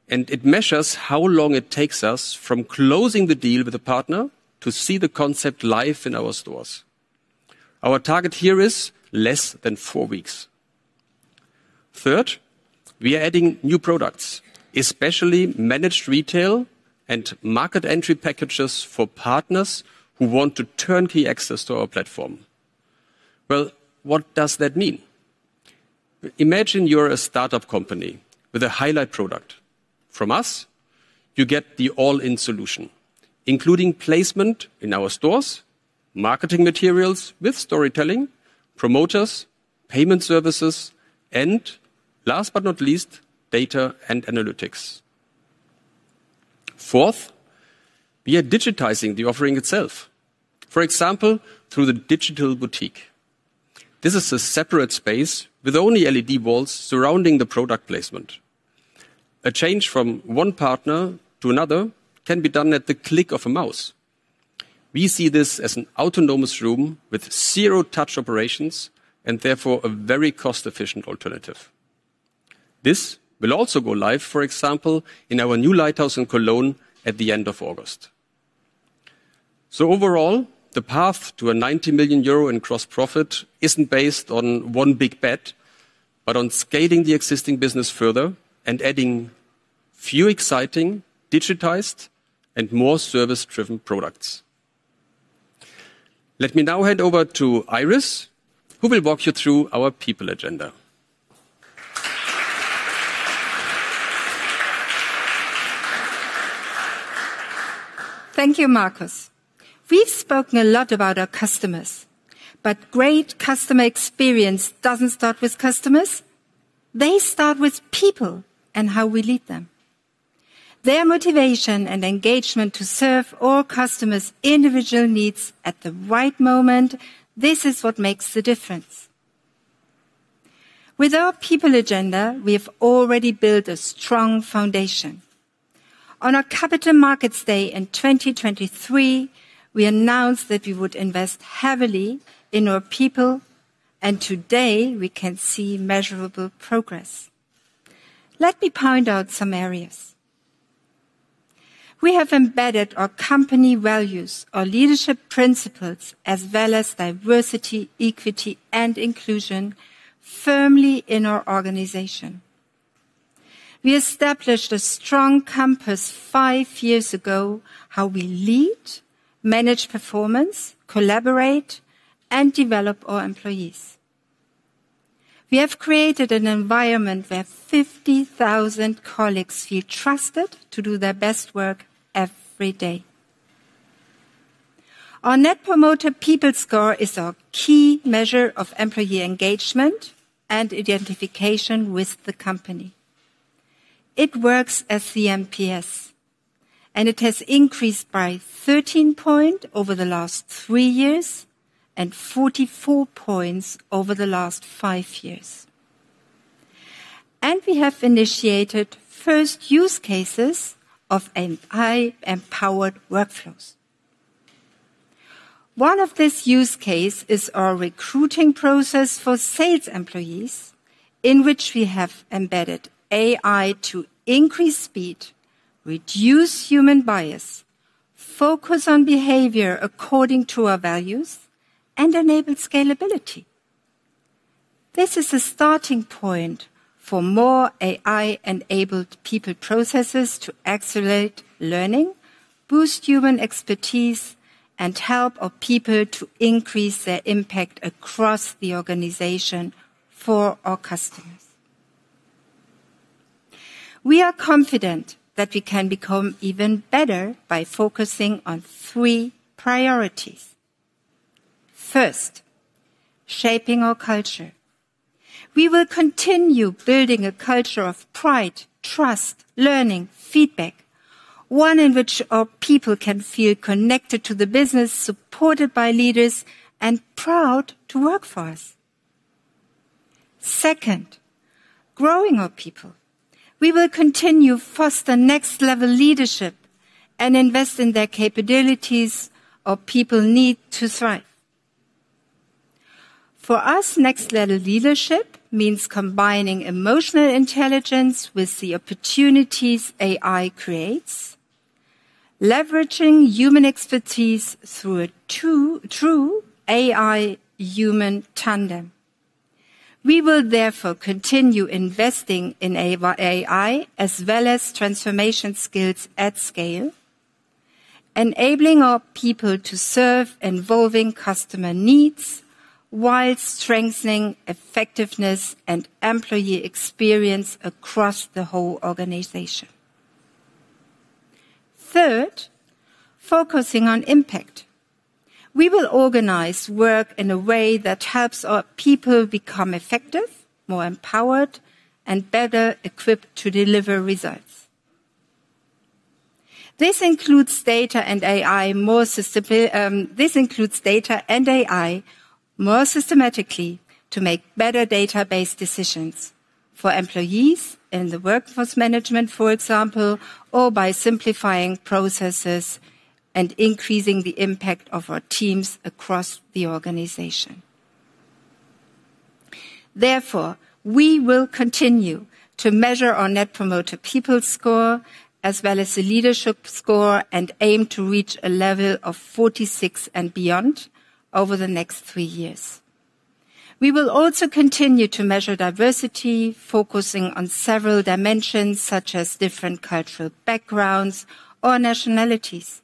and it measures how long it takes us from closing the deal with a partner to see the concept live in our stores. Our target here is less than four weeks. Third, we are adding new products, especially managed retail and market entry packages for partners who want turnkey access to our platform. What does that mean? Imagine you're a startup company with a highlight product. From us, you get the all-in solution, including placement in our stores, marketing materials with storytelling, promoters, payment services, and last but not least, data and analytics. Fourth, we are digitizing the offering itself, for example, through the digital boutique. This is a separate space with only LED walls surrounding the product placement. A change from one partner to another can be done at the click of a mouse. We see this as an autonomous room with zero-touch operations and therefore, a very cost-efficient alternative. This will also go live, for example, in our new Lighthouse in Cologne at the end of August. Overall, the path to a 90 million euro in gross profit isn't based on one big bet, but on scaling the existing business further and adding few exciting, digitized, and more service-driven products. Let me now hand over to Iris, who will walk you through our people agenda. Thank you, Marcus. Great customer experience doesn't start with customers. They start with people and how we lead them. Their motivation and engagement to serve all customers' individual needs at the right moment, this is what makes the difference. With our people agenda, we have already built a strong foundation. On our Capital Markets Day in 2023, we announced that we would invest heavily in our people, and today we can see measurable progress. Let me point out some areas. We have embedded our company values, our leadership principles, as well as diversity, equity, and inclusion firmly in our organization. We established a strong compass five years ago, how we lead, manage performance, collaborate, and develop our employees. We have created an environment where 50,000 colleagues feel trusted to do their best work every day. Our Employee Net Promoter Score is our key measure of employee engagement and identification with the company. It works as the NPS, and it has increased by 13 point over the last three years and 44 points over the last five years. We have initiated first use cases of AI-empowered workflows. One of this use case is our recruiting process for sales employees, in which we have embedded AI to increase speed, reduce human bias, focus on behavior according to our values, and enable scalability. This is the starting point for more AI-enabled people processes to accelerate learning, boost human expertise, and help our people to increase their impact across the organization for our customers. We are confident that we can become even better by focusing on three priorities. First, shaping our culture. We will continue building a culture of pride, trust, learning, feedback, one in which our people can feel connected to the business, supported by leaders, and proud to work for us. Second, growing our people. We will continue foster next-level leadership and invest in their capabilities our people need to thrive. For us, next-level leadership means combining emotional intelligence with the opportunities AI creates, leveraging human expertise through a true AI-human tandem. We will therefore continue investing in AI, as well as transformation skills at scale, enabling our people to serve evolving customer needs while strengthening effectiveness and employee experience across the whole organization. Third, focusing on impact. We will organize work in a way that helps our people become effective, more empowered, and better equipped to deliver results. This includes data and AI more systematically to make better database decisions for employees and the workforce management, for example or by simplifying processes and increasing the impact of our teams across the organisation. Therefore we will continue to measure our Employee Net Promoter Score, as well as the leadership score, and aim to reach a level of 46 and beyond over the next three years. We will also continue to measure diversity, focusing on several dimensions, such as different cultural backgrounds or nationalities.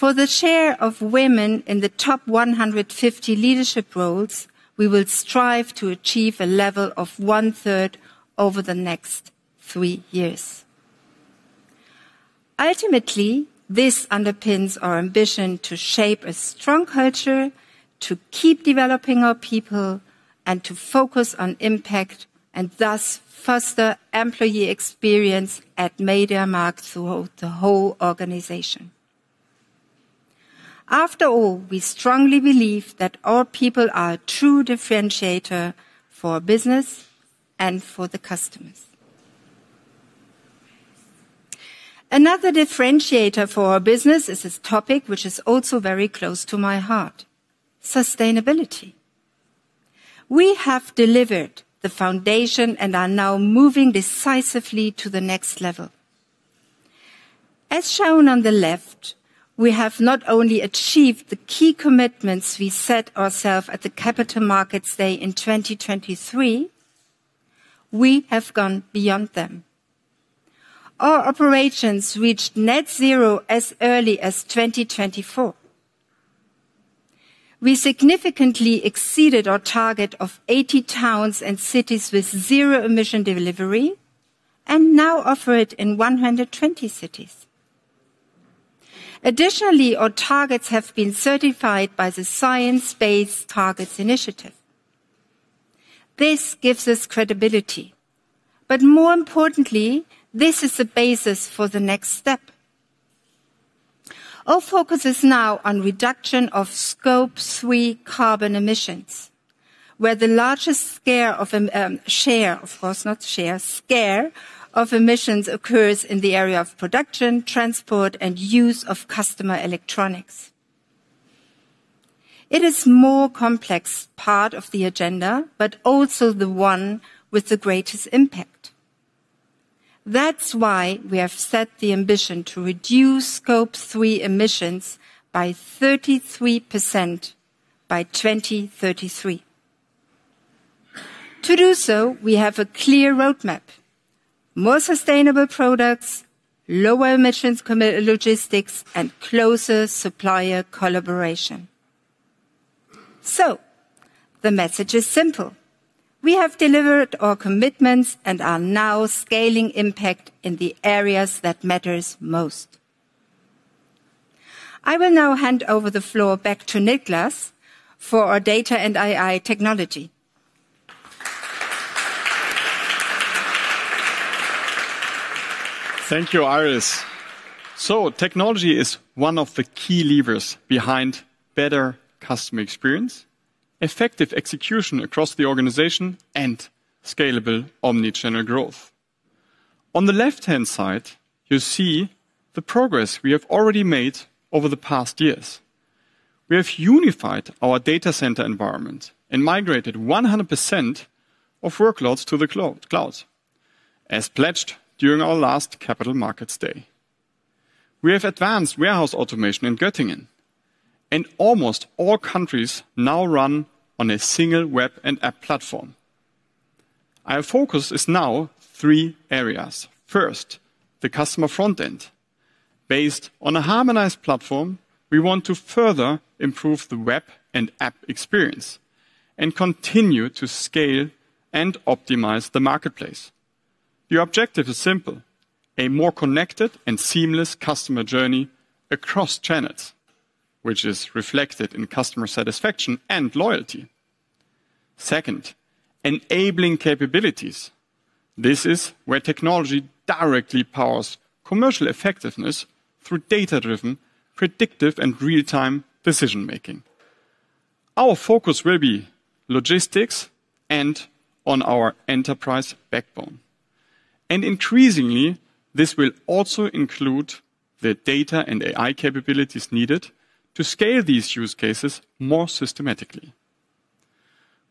For the share of women in the top 150 leadership roles, we will strive to achieve a level of 1/3 over the next three years. This underpins our ambition to shape a strong culture, to keep developing our people, and to focus on impact, and thus foster employee experience at MediaMarkt throughout the whole organization. We strongly believe that our people are a true differentiator for business and for the customers. Another differentiator for our business is this topic which is also very close to my heart, sustainability. We have delivered the foundation and are now moving decisively to the next level. As shown on the left, we have not only achieved the key commitments we set ourselves at the Capital Markets Day in 2023, we have gone beyond them. Our operations reached net zero as early as 2024. We significantly exceeded our target of 80 towns and cities with zero-emission delivery and now offer it in 120 cities. Additionally, our targets have been certified by the Science Based Targets initiative. This gives us credibility, but more importantly, this is the basis for the next step. Our focus is now on reduction of Scope 3 carbon emissions, where the largest share of emissions occurs in the area of production, transport, and use of customer electronics. It is more complex part of the agenda, but also the one with the greatest impact. That's why we have set the ambition to reduce Scope 3 emissions by 33% by 2033. To do so, we have a clear roadmap, more sustainable products, lower emissions logistics, and closer supplier collaboration. The message is simple. We have delivered our commitments and are now scaling impact in the areas that matters most. I will now hand over the floor back to Niclas for our data and AI technology. Thank you, Iris. Technology is one of the key levers behind better customer experience, effective execution across the organization, and scalable omnichannel growth. On the left-hand side, you see the progress we have already made over the past years. We have unified our data center environment and migrated 100% of workloads to the cloud, as pledged during our last Capital Markets Day. We have advanced warehouse automation in Göttingen, and almost all countries now run on a single web and app platform. Our focus is now three areas. First, the customer front end. Based on a harmonized platform, we want to further improve the web and app experience and continue to scale and optimize the Marketplace. The objective is simple: a more connected and seamless customer journey across channels, which is reflected in customer satisfaction and loyalty. Second, enabling capabilities. This is where technology directly powers commercial effectiveness through data-driven, predictive, and real-time decision-making. Our focus will be logistics and on our enterprise backbone. Increasingly, this will also include the data and AI capabilities needed to scale these use cases more systematically.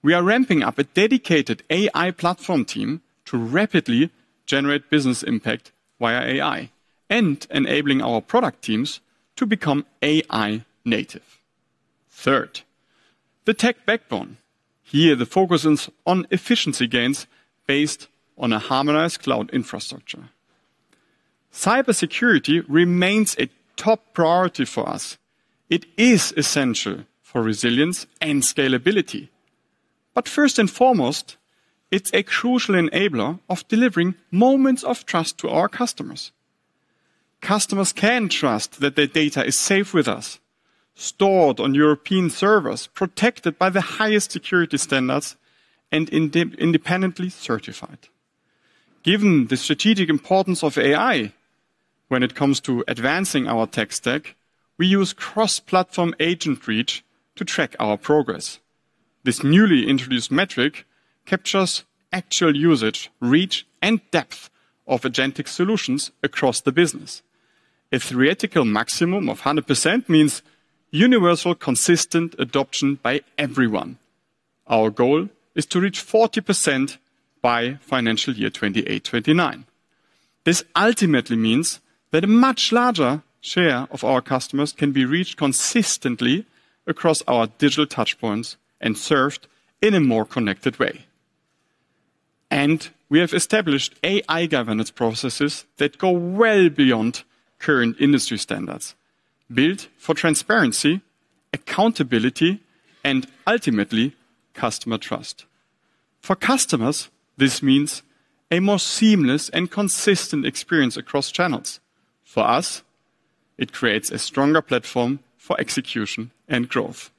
We are ramping up a dedicated AI platform team to rapidly generate business impact via AI and enabling our product teams to become AI native. Third, the tech backbone. Here, the focus is on efficiency gains based on a harmonized cloud infrastructure. Cybersecurity remains a top priority for us. It is essential for resilience and scalability. First and foremost, it's a crucial enabler of delivering Moments of Trust to our customers. Customers can trust that their data is safe with us, stored on European servers, protected by the highest security standards, and independently certified. Given the strategic importance of AI when it comes to advancing our tech stack, we use cross-platform agent reach to track our progress. This newly introduced metric captures actual usage, reach, and depth of agentic solutions across the business. A theoretical maximum of 100% means universal, consistent adoption by everyone. Our goal is to reach 40% by financial year 2028/2029. This ultimately means that a much larger share of our customers can be reached consistently across our digital touchpoints and served in a more connected way. We have established AI governance processes that go well beyond current industry standards, built for transparency, accountability, and ultimately customer trust. For customers, this means a more seamless and consistent experience across channels. For us, it creates a stronger platform for execution and growth.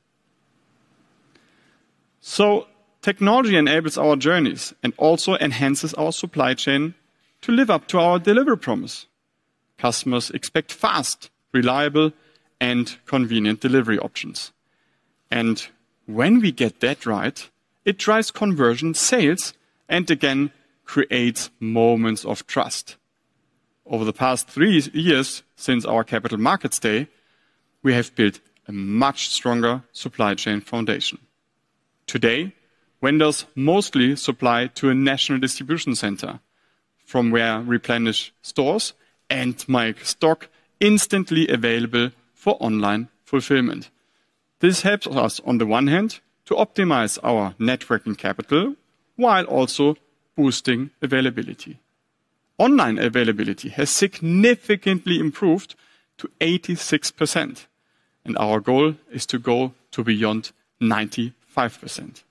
Technology enables our journeys and also enhances our supply chain to live up to our delivery promise. Customers expect fast, reliable, and convenient delivery options. When we get that right, it drives conversion, sales, and again, creates Moments of Trust. Over the past three years since our Capital Markets Day, we have built a much stronger supply chain foundation. Today, vendors mostly supply to a national distribution center from where replenish stores and make stock instantly available for online fulfillment. This helps us on the one hand to optimize our net working capital while also boosting availability. Online availability has significantly improved to 86%, and our goal is to go to beyond 95%.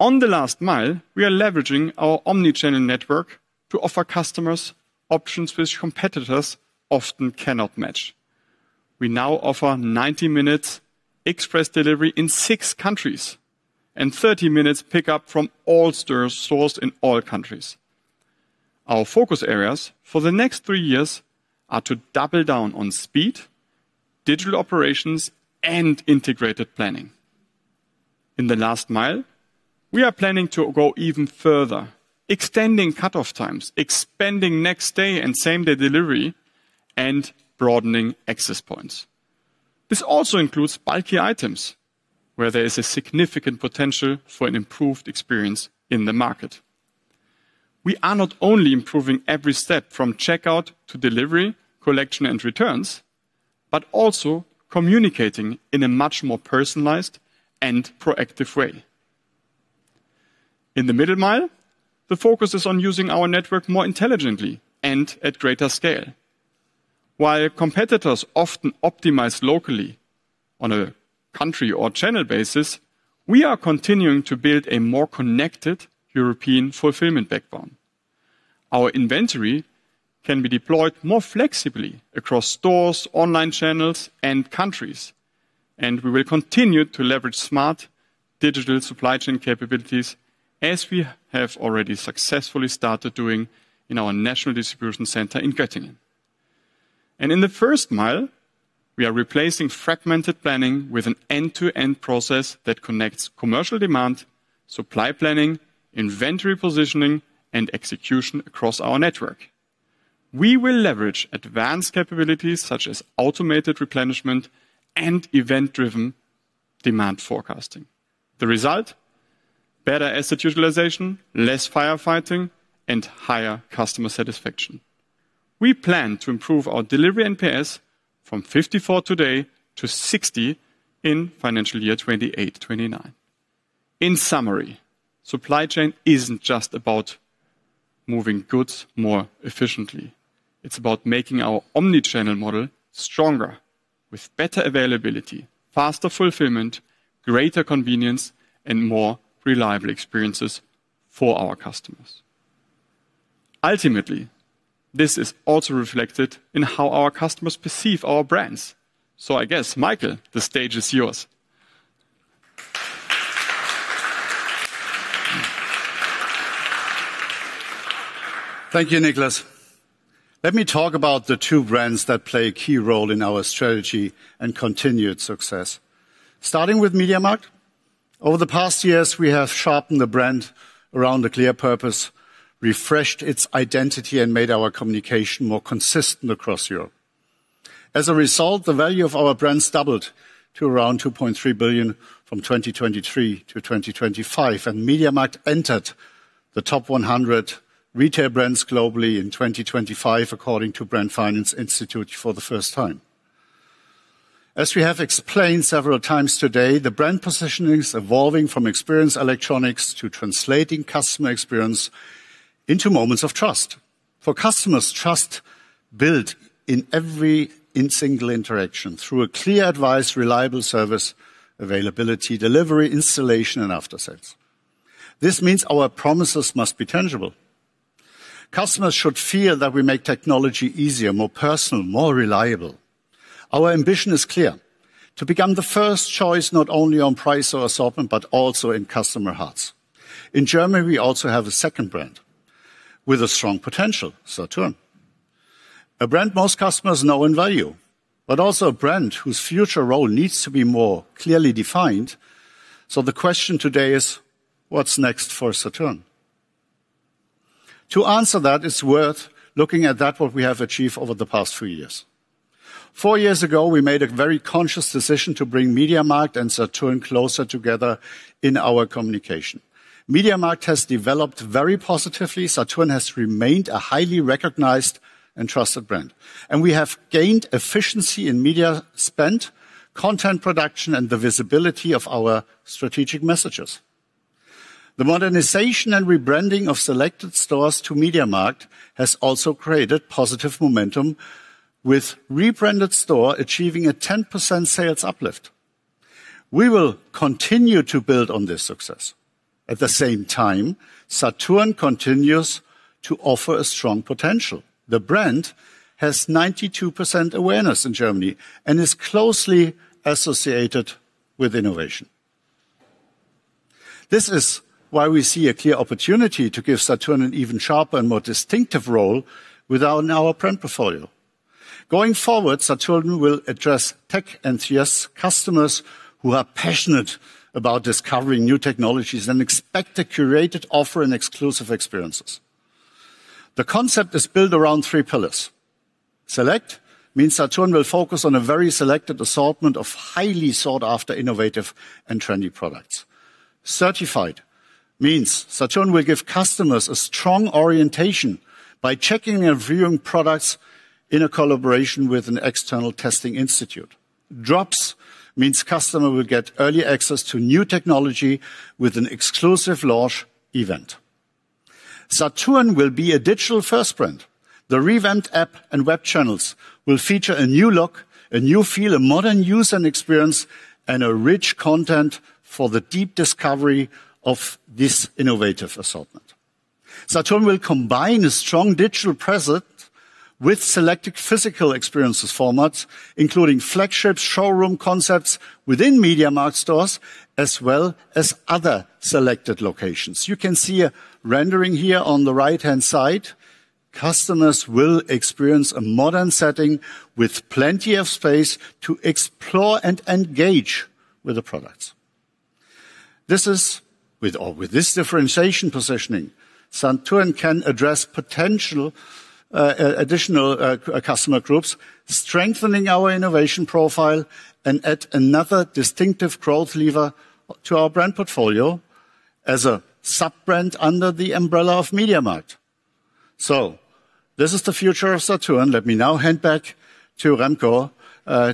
On the Last Mile, we are leveraging our omnichannel network to offer customers options which competitors often cannot match. We now offer 90 minutes express delivery in six countries and 30 minutes pickup from all stores sourced in all countries. Our focus areas for the next three years are to double down on speed, digital operations, and integrated planning. In the Last Mile, we are planning to go even further, extending cutoff times, expanding next-day and same-day delivery, and broadening access points. This also includes bulky items, where there is a significant potential for an improved experience in the market. We are not only improving every step from checkout to delivery, collection, and returns, but also communicating in a much more personalized and proactive way. In the Middle Mile, the focus is on using our network more intelligently and at greater scale. While competitors often optimize locally on a country or channel basis, we are continuing to build a more connected European fulfillment backbone. Our inventory can be deployed more flexibly across stores, online channels, and countries. We will continue to leverage smart digital supply chain capabilities as we have already successfully started doing in our national distribution center in Göttingen. In the First Mile, we are replacing fragmented planning with an end-to-end process that connects commercial demand, supply planning, inventory positioning, and execution across our network. We will leverage advanced capabilities such as automated replenishment and event-driven demand forecasting. The result, better asset utilization, less firefighting, and higher customer satisfaction. We plan to improve our delivery NPS from 54 today to 60 in financial year 2028/2029. In summary, supply chain isn't just about moving goods more efficiently. It's about making our omnichannel model stronger with better availability, faster fulfillment, greater convenience, and more reliable experiences for our customers. Ultimately, this is also reflected in how our customers perceive our brands. I guess, Michael, the stage is yours. Thank you, Niclas. Let me talk about the two brands that play a key role in our strategy and continued success. Starting with MediaMarkt, over the past years, we have sharpened the brand around a clear purpose, refreshed its identity, and made our communication more consistent across Europe. As a result, the value of our brands doubled to around 2.3 billion from 2023 to 2025, and MediaMarkt entered the top 100 retail brands globally in 2025, according to Brand Finance for the first time. As we have explained several times today, the brand positioning is evolving from Experience Electronics to translating customer experience into Moments of Trust. For customers, trust is built in every single interaction through clear advice, reliable service, availability, delivery, installation, and after-sales. This means our promises must be tangible. Customers should feel that we make technology easier, more personal, more reliable. Our ambition is clear: to become the first choice not only on price or assortment, but also in customer hearts. In Germany, we also have a second brand with a strong potential, Saturn. A brand most customers know and value, but also a brand whose future role needs to be more clearly defined. The question today is, what's next for Saturn? To answer that, it's worth looking at what we have achieved over the past three years. Four years ago, we made a very conscious decision to bring MediaMarkt and Saturn closer together in our communication. MediaMarkt has developed very positively. Saturn has remained a highly recognized and trusted brand. We have gained efficiency in media spend, content production, and the visibility of our strategic messages. The modernization and rebranding of selected stores to MediaMarkt has also created positive momentum, with rebranded stores achieving a 10% sales uplift. We will continue to build on this success. At the same time, Saturn continues to offer a strong potential. The brand has 92% awareness in Germany and is closely associated with innovation. This is why we see a clear opportunity to give Saturn an even sharper and more distinctive role within our brand portfolio. Going forward, Saturn will address tech-enthusiast customers who are passionate about discovering new technologies and expect a curated offer and exclusive experiences. The concept is built around three pillars. Select means Saturn will focus on a very selected assortment of highly sought-after, innovative, and trendy products. Certified means Saturn will give customers a strong orientation by checking and viewing products in a collaboration with an external testing institute. Drops means customers will get early access to new technology with an exclusive launch event. Saturn will be a digital-first brand. The revamped app and web channels will feature a new look, a new feel, a modern user experience, and rich content for the deep discovery of this innovative assortment. Saturn will combine a strong digital presence with selected physical experiences formats, including flagships, showroom concepts within MediaMarkt stores, as well as other selected locations. You can see a rendering here on the right-hand side. Customers will experience a modern setting with plenty of space to explore and engage with the products. With this differentiation positioning, Saturn can address potential additional customer groups, strengthening our innovation profile, and add another distinctive growth lever to our brand portfolio as a sub-brand under the umbrella of MediaMarkt. This is the future of Saturn. Let me now hand back to Remko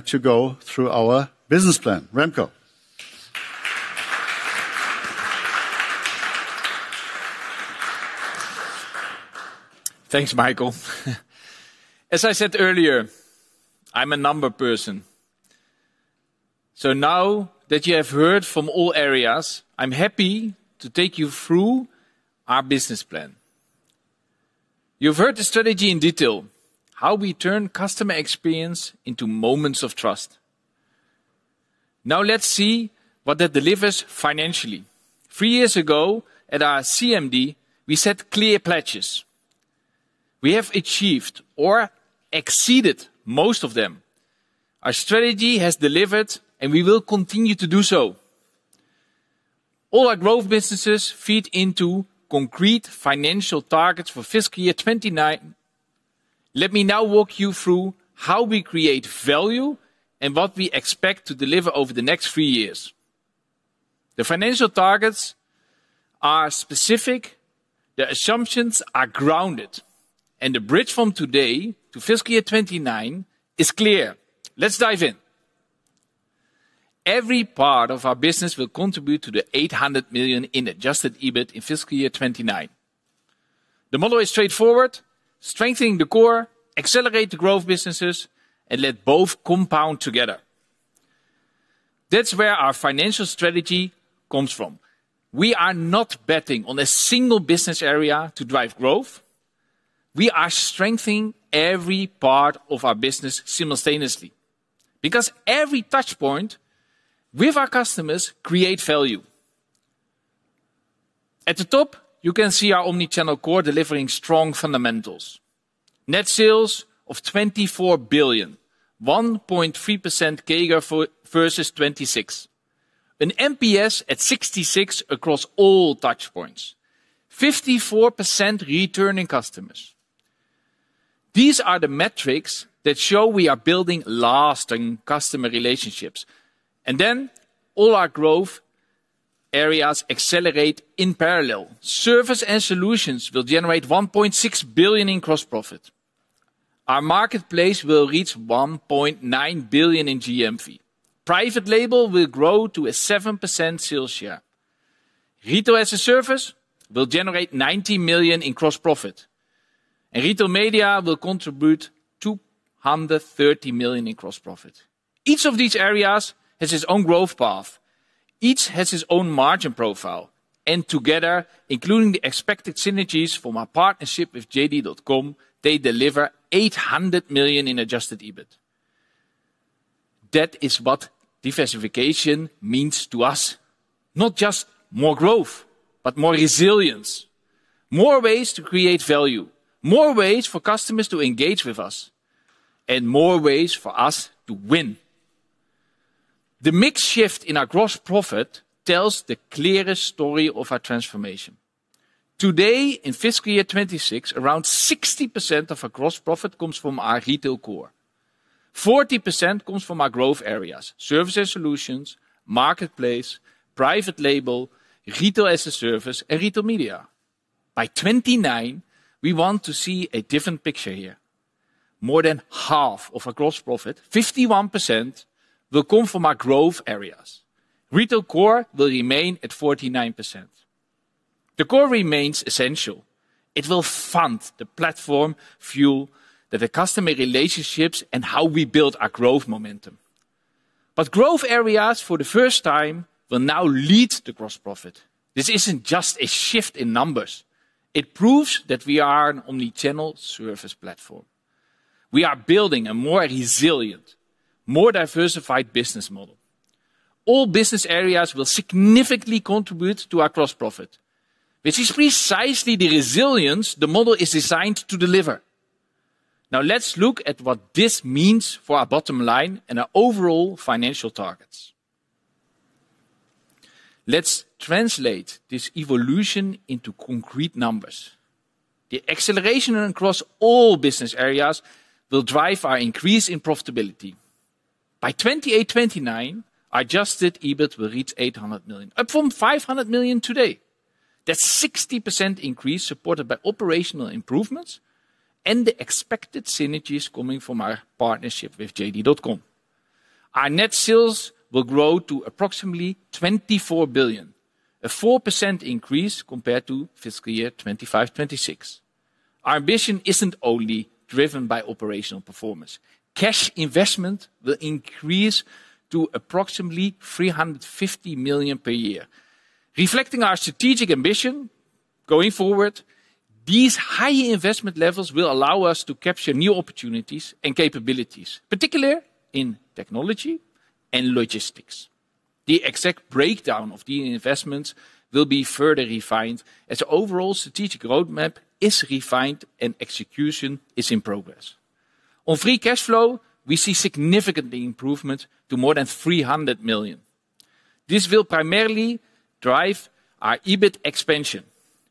to go through our business plan. Remko. Thanks, Michael. As I said earlier, I'm a number person. Now that you have heard from all areas, I'm happy to take you through our business plan. You've heard the strategy in detail, how we turn customer experience into Moments of Trust. Let's see what that delivers financially. Three years ago, at our CMD, we set clear pledges. We have achieved or exceeded most of them. Our strategy has delivered, and we will continue to do so. All our growth businesses feed into concrete financial targets for fiscal year 2029. Let me now walk you through how we create value and what we expect to deliver over the next three years. The financial targets are specific, the assumptions are grounded, and the bridge from today to fiscal year 2029 is clear. Let's dive in. Every part of our business will contribute to the 800 million in adjusted EBIT in fiscal year 2029. The model is straightforward, strengthening the core, accelerate the growth businesses, and let both compound together. That's where our financial strategy comes from. We are not betting on a single business area to drive growth. We are strengthening every part of our business simultaneously because every touchpoint with our customers create value. At the top, you can see our omnichannel core delivering strong fundamentals. Net sales of 24 billion, 1.3% CAGR versus 2026. An NPS at 66 across all touchpoints, 54% returning customers. These are the metrics that show we are building lasting customer relationships. All our growth areas accelerate in parallel. Services & Solutions will generate 1.6 billion in gross profit. Our Marketplace will reach 1.9 billion in GMV. Private Label will grow to a 7% sales share. Retail-as-a-Service will generate 90 million in gross profit, and Retail Media will contribute 230 million in gross profit. Each of these areas has its own growth path. Each has its own margin profile, and together, including the expected synergies from our partnership with JD.com, they deliver 800 million in adjusted EBIT. That is what diversification means to us. Not just more growth, but more resilience, more ways to create value, more ways for customers to engage with us, and more ways for us to win. The mix shift in our gross profit tells the clearest story of our transformation. Today, in fiscal year 2026, around 60% of our gross profit comes from our retail core. 40% comes from our growth areas, Services & Solutions, Marketplace, Private Label, Retail-as-a-Service, and Retail Media. By 2029, we want to see a different picture here. More than half of our gross profit, 51%, will come from our growth areas. Retail core will remain at 49%. The core remains essential. It will fund the platform, fuel the customer relationships, and how we build our growth momentum. Growth areas for the first time will now lead the gross profit. This isn't just a shift in numbers. It proves that we are an omnichannel service platform. We are building a more resilient, more diversified business model. All business areas will significantly contribute to our gross profit, which is precisely the resilience the model is designed to deliver. Now, let's look at what this means for our bottom line and our overall financial targets. Let's translate this evolution into concrete numbers. The acceleration across all business areas will drive our increase in profitability. By 2028/2029, our adjusted EBIT will reach 800 million, up from 500 million today. That's a 60% increase supported by operational improvements and the expected synergies coming from our partnership with JD.com. Our net sales will grow to approximately 24 billion, a 4% increase compared to fiscal year 2025/2026. Our ambition isn't only driven by operational performance. Cash investment will increase to approximately 350 million per year. Reflecting our strategic ambition going forward, these high investment levels will allow us to capture new opportunities and capabilities, particularly in technology and logistics. The exact breakdown of the investments will be further refined as overall strategic roadmap is refined and execution is in progress. On free cash flow, we see significant improvement to more than 300 million. This will primarily drive our EBIT expansion.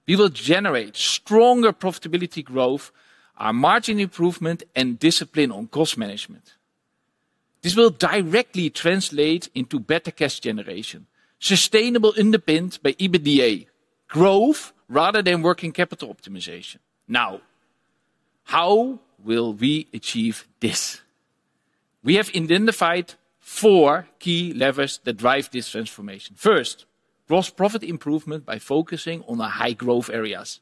We will generate stronger profitability growth, our margin improvement, and discipline on cost management. This will directly translate into better cash generation, sustainable, independent by EBITDA growth rather than working capital optimization. Now, how will we achieve this? We have identified four key levers that drive this transformation. First, gross profit improvement by focusing on the high-growth areas.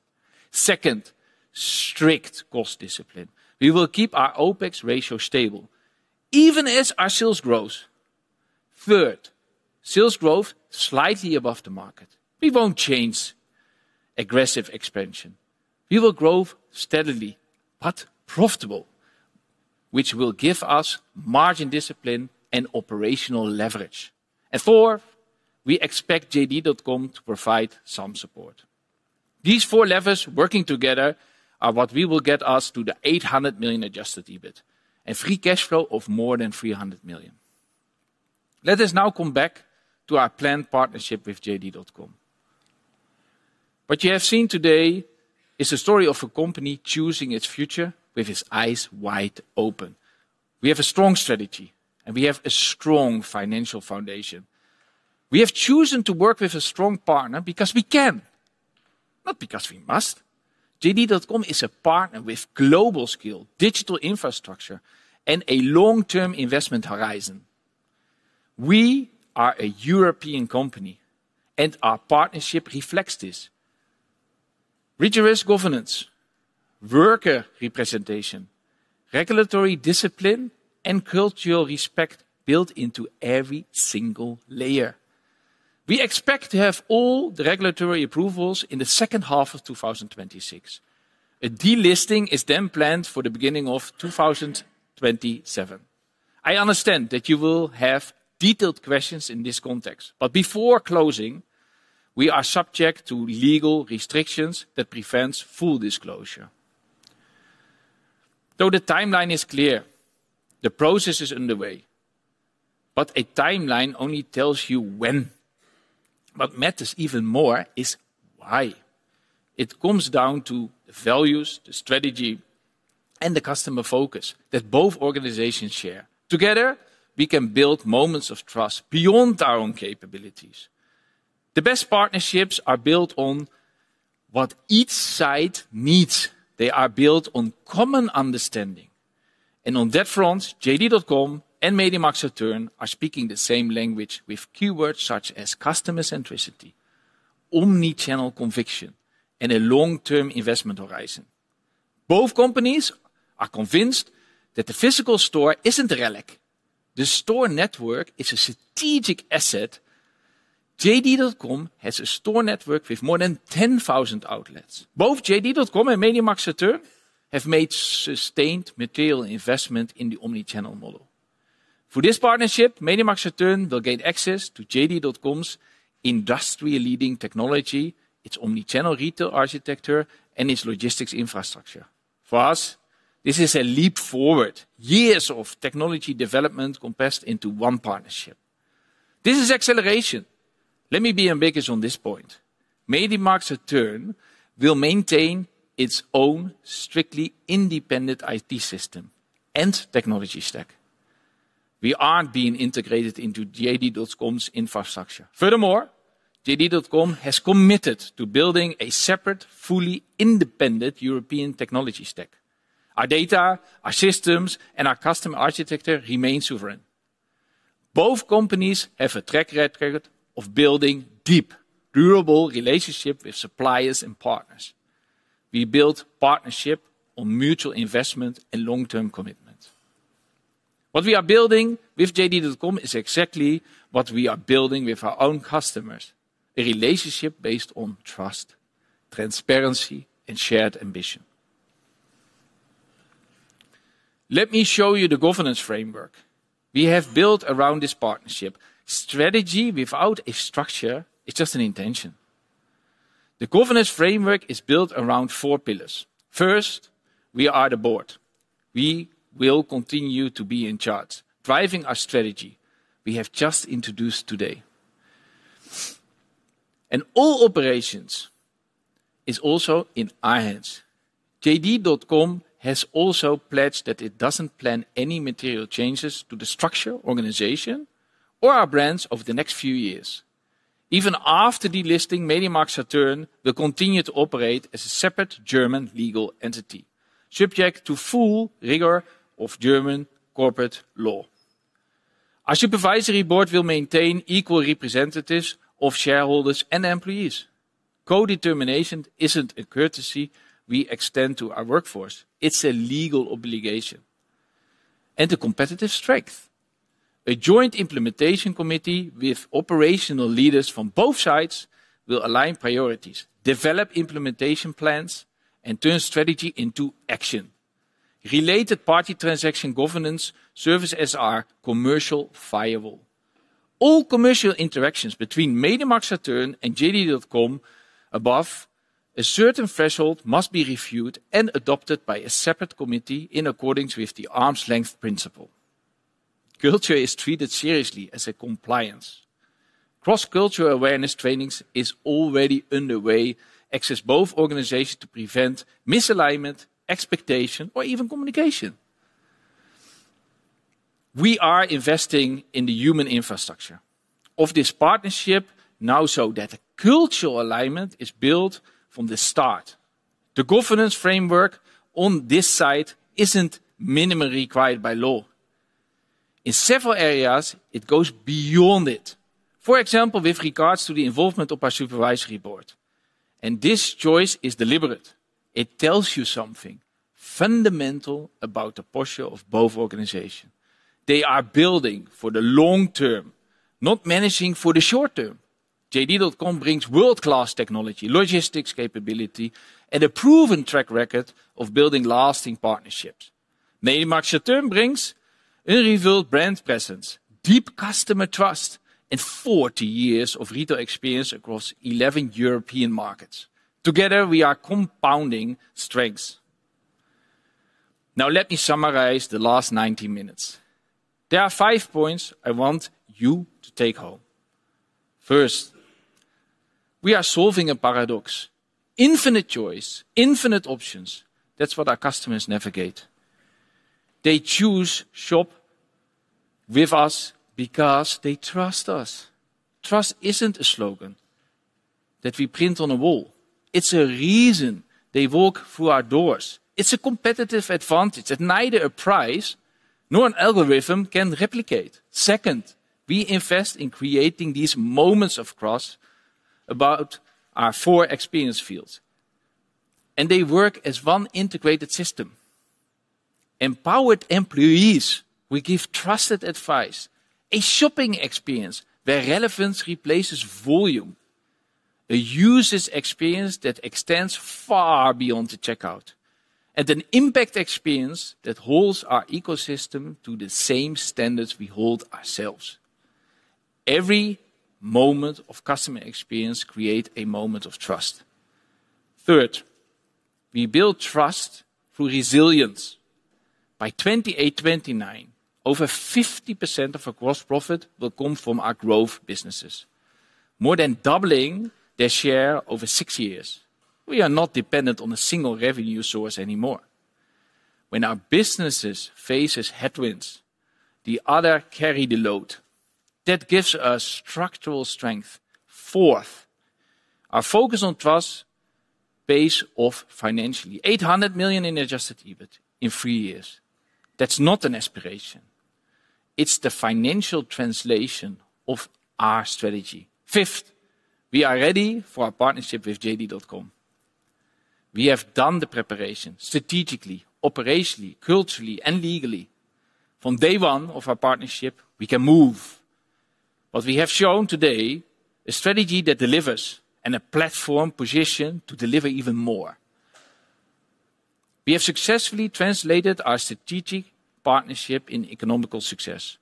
Second, strict cost discipline. We will keep our OpEx ratio stable even as our sales grows. Third, sales growth slightly above the market. We won't change aggressive expansion. We will grow steadily but profitable, which will give us margin discipline and operational leverage. Four, we expect JD.com to provide some support. These four levers working together are what will get us to the 800 million adjusted EBIT and free cash flow of more than 300 million. Let us now come back to our planned partnership with JD.com. What you have seen today is a story of a company choosing its future with its eyes wide open. We have a strong strategy, and we have a strong financial foundation. We have chosen to work with a strong partner because we can, not because we must. JD.com is a partner with global skill, digital infrastructure, and a long-term investment horizon. We are a European company, and our partnership reflects this. Rigorous governance, worker representation, regulatory discipline, and cultural respect built into every single layer. We expect to have all the regulatory approvals in the second half of 2026. A delisting is then planned for the beginning of 2027. I understand that you will have detailed questions in this context, but before closing, we are subject to legal restrictions that prevents full disclosure. Though the timeline is clear, the process is underway, but a timeline only tells you when. What matters even more is why. It comes down to the values, the strategy, and the customer focus that both organizations share. Together, we can build Moments of Trust beyond our own capabilities. The best partnerships are built on what each side needs. They are built on common understanding. On that front, JD.com and MediaMarktSaturn are speaking the same language with keywords such as customer centricity, omnichannel conviction, and a long-term investment horizon. Both companies are convinced that the physical store isn't a relic. The store network is a strategic asset. JD.com has a store network with more than 10,000 outlets. Both JD.com and MediaMarktSaturn have made sustained material investment in the omnichannel model. For this partnership, MediaMarktSaturn will gain access to JD.com's industry-leading technology, its omnichannel retail architecture, and its logistics infrastructure. For us, this is a leap forward. Years of technology development compressed into one partnership. This is acceleration. Let me be ambiguous on this point. MediaMarktSaturn will maintain its own strictly independent IT system and technology stack. We aren't being integrated into JD.com's infrastructure. Furthermore, JD.com has committed to building a separate, fully independent European technology stack. Our data, our systems, and our customer architecture remain sovereign. Both companies have a track record of building deep, durable relationships with suppliers and partners. We build partnership on mutual investment and long-term commitment. What we are building with JD.com is exactly what we are building with our own customers, a relationship based on trust, transparency, and shared ambition. Let me show you the governance framework we have built around this partnership. Strategy without a structure, it's just an intention. The governance framework is built around four pillars. First, we are the board. We will continue to be in charge, driving our strategy we have just introduced today. All operations is also in our hands. JD.com has also pledged that it doesn't plan any material changes to the structure, organization, or our brands over the next few years. Even after delisting, MediaMarktSaturn will continue to operate as a separate German legal entity, subject to full rigor of German corporate law. Our supervisory board will maintain equal representatives of shareholders and employees. Codetermination isn't a courtesy we extend to our workforce, it's a legal obligation and a competitive strength. A joint implementation committee with operational leaders from both sides will align priorities, develop implementation plans, and turn strategy into action. Related party transaction governance serves as our commercial firewall. All commercial interactions between MediaMarktSaturn and JD.com above a certain threshold must be reviewed and adopted by a separate committee in accordance with the arm's length principle. Culture is treated seriously as a compliance. Cross-cultural awareness trainings is already underway across both organizations to prevent misalignment, expectation, or even communication. We are investing in the human infrastructure of this partnership now so that a cultural alignment is built from the start. The governance framework on this side isn't minimally required by law. In several areas, it goes beyond it. For example, with regards to the involvement of our supervisory board. This choice is deliberate. It tells you something fundamental about the posture of both organizations. They are building for the long term, not managing for the short term. JD.com brings world-class technology, logistics capability, and a proven track record of building lasting partnerships. MediaMarktSaturn brings unrivaled brand presence, deep customer trust, and 40 years of retail experience across 11 European markets. Together, we are compounding strengths. Let me summarize the last 90 minutes. There are five points I want you to take home. First, we are solving a paradox. Infinite choice, infinite options. That's what our customers navigate. They choose shop with us because they trust us. Trust isn't a slogan that we print on a wall. It's a reason they walk through our doors. It's a competitive advantage that neither a price nor an algorithm can replicate. Second, we invest in creating these Moments of Trust about our four experience fields. They work as one integrated system. Empowered employees will give trusted advice, a shopping experience where relevance replaces volume, a user's experience that extends far beyond the checkout, and an impact experience that holds our ecosystem to the same standards we hold ourselves. Every moment of customer experience creates a moment of trust. Third, we build trust through resilience. By 2028/2029, over 50% of our gross profit will come from our growth businesses, more than doubling their share over six years. We are not dependent on a single revenue source anymore. When our businesses faces headwinds, the other carry the load. That gives us structural strength. Fourth, our focus on trust pays off financially. 800 million in adjusted EBIT in three years. That's not an aspiration. It's the financial translation of our strategy. Fifth, we are ready for our partnership with JD.com. We have done the preparation strategically, operationally, culturally, and legally. From day one of our partnership, we can move what we have shown today, a strategy that delivers and a platform position to deliver even more. We have successfully translated our strategic partnership in economical success,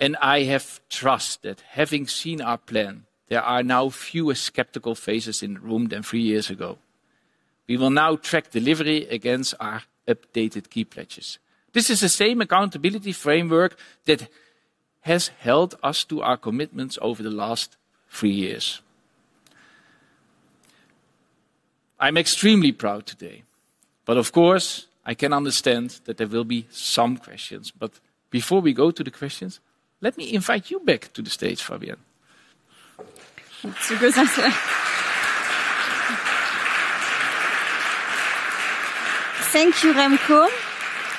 and I have trust that having seen our plan, there are now fewer skeptical faces in the room than three years ago. We will now track delivery against our updated key pledges. This is the same accountability framework that has held us to our commitments over the last three years. I'm extremely proud today, but of course, I can understand that there will be some questions. Before we go to the questions, let me invite you back to the stage, Fabienne. Thank you, Remko.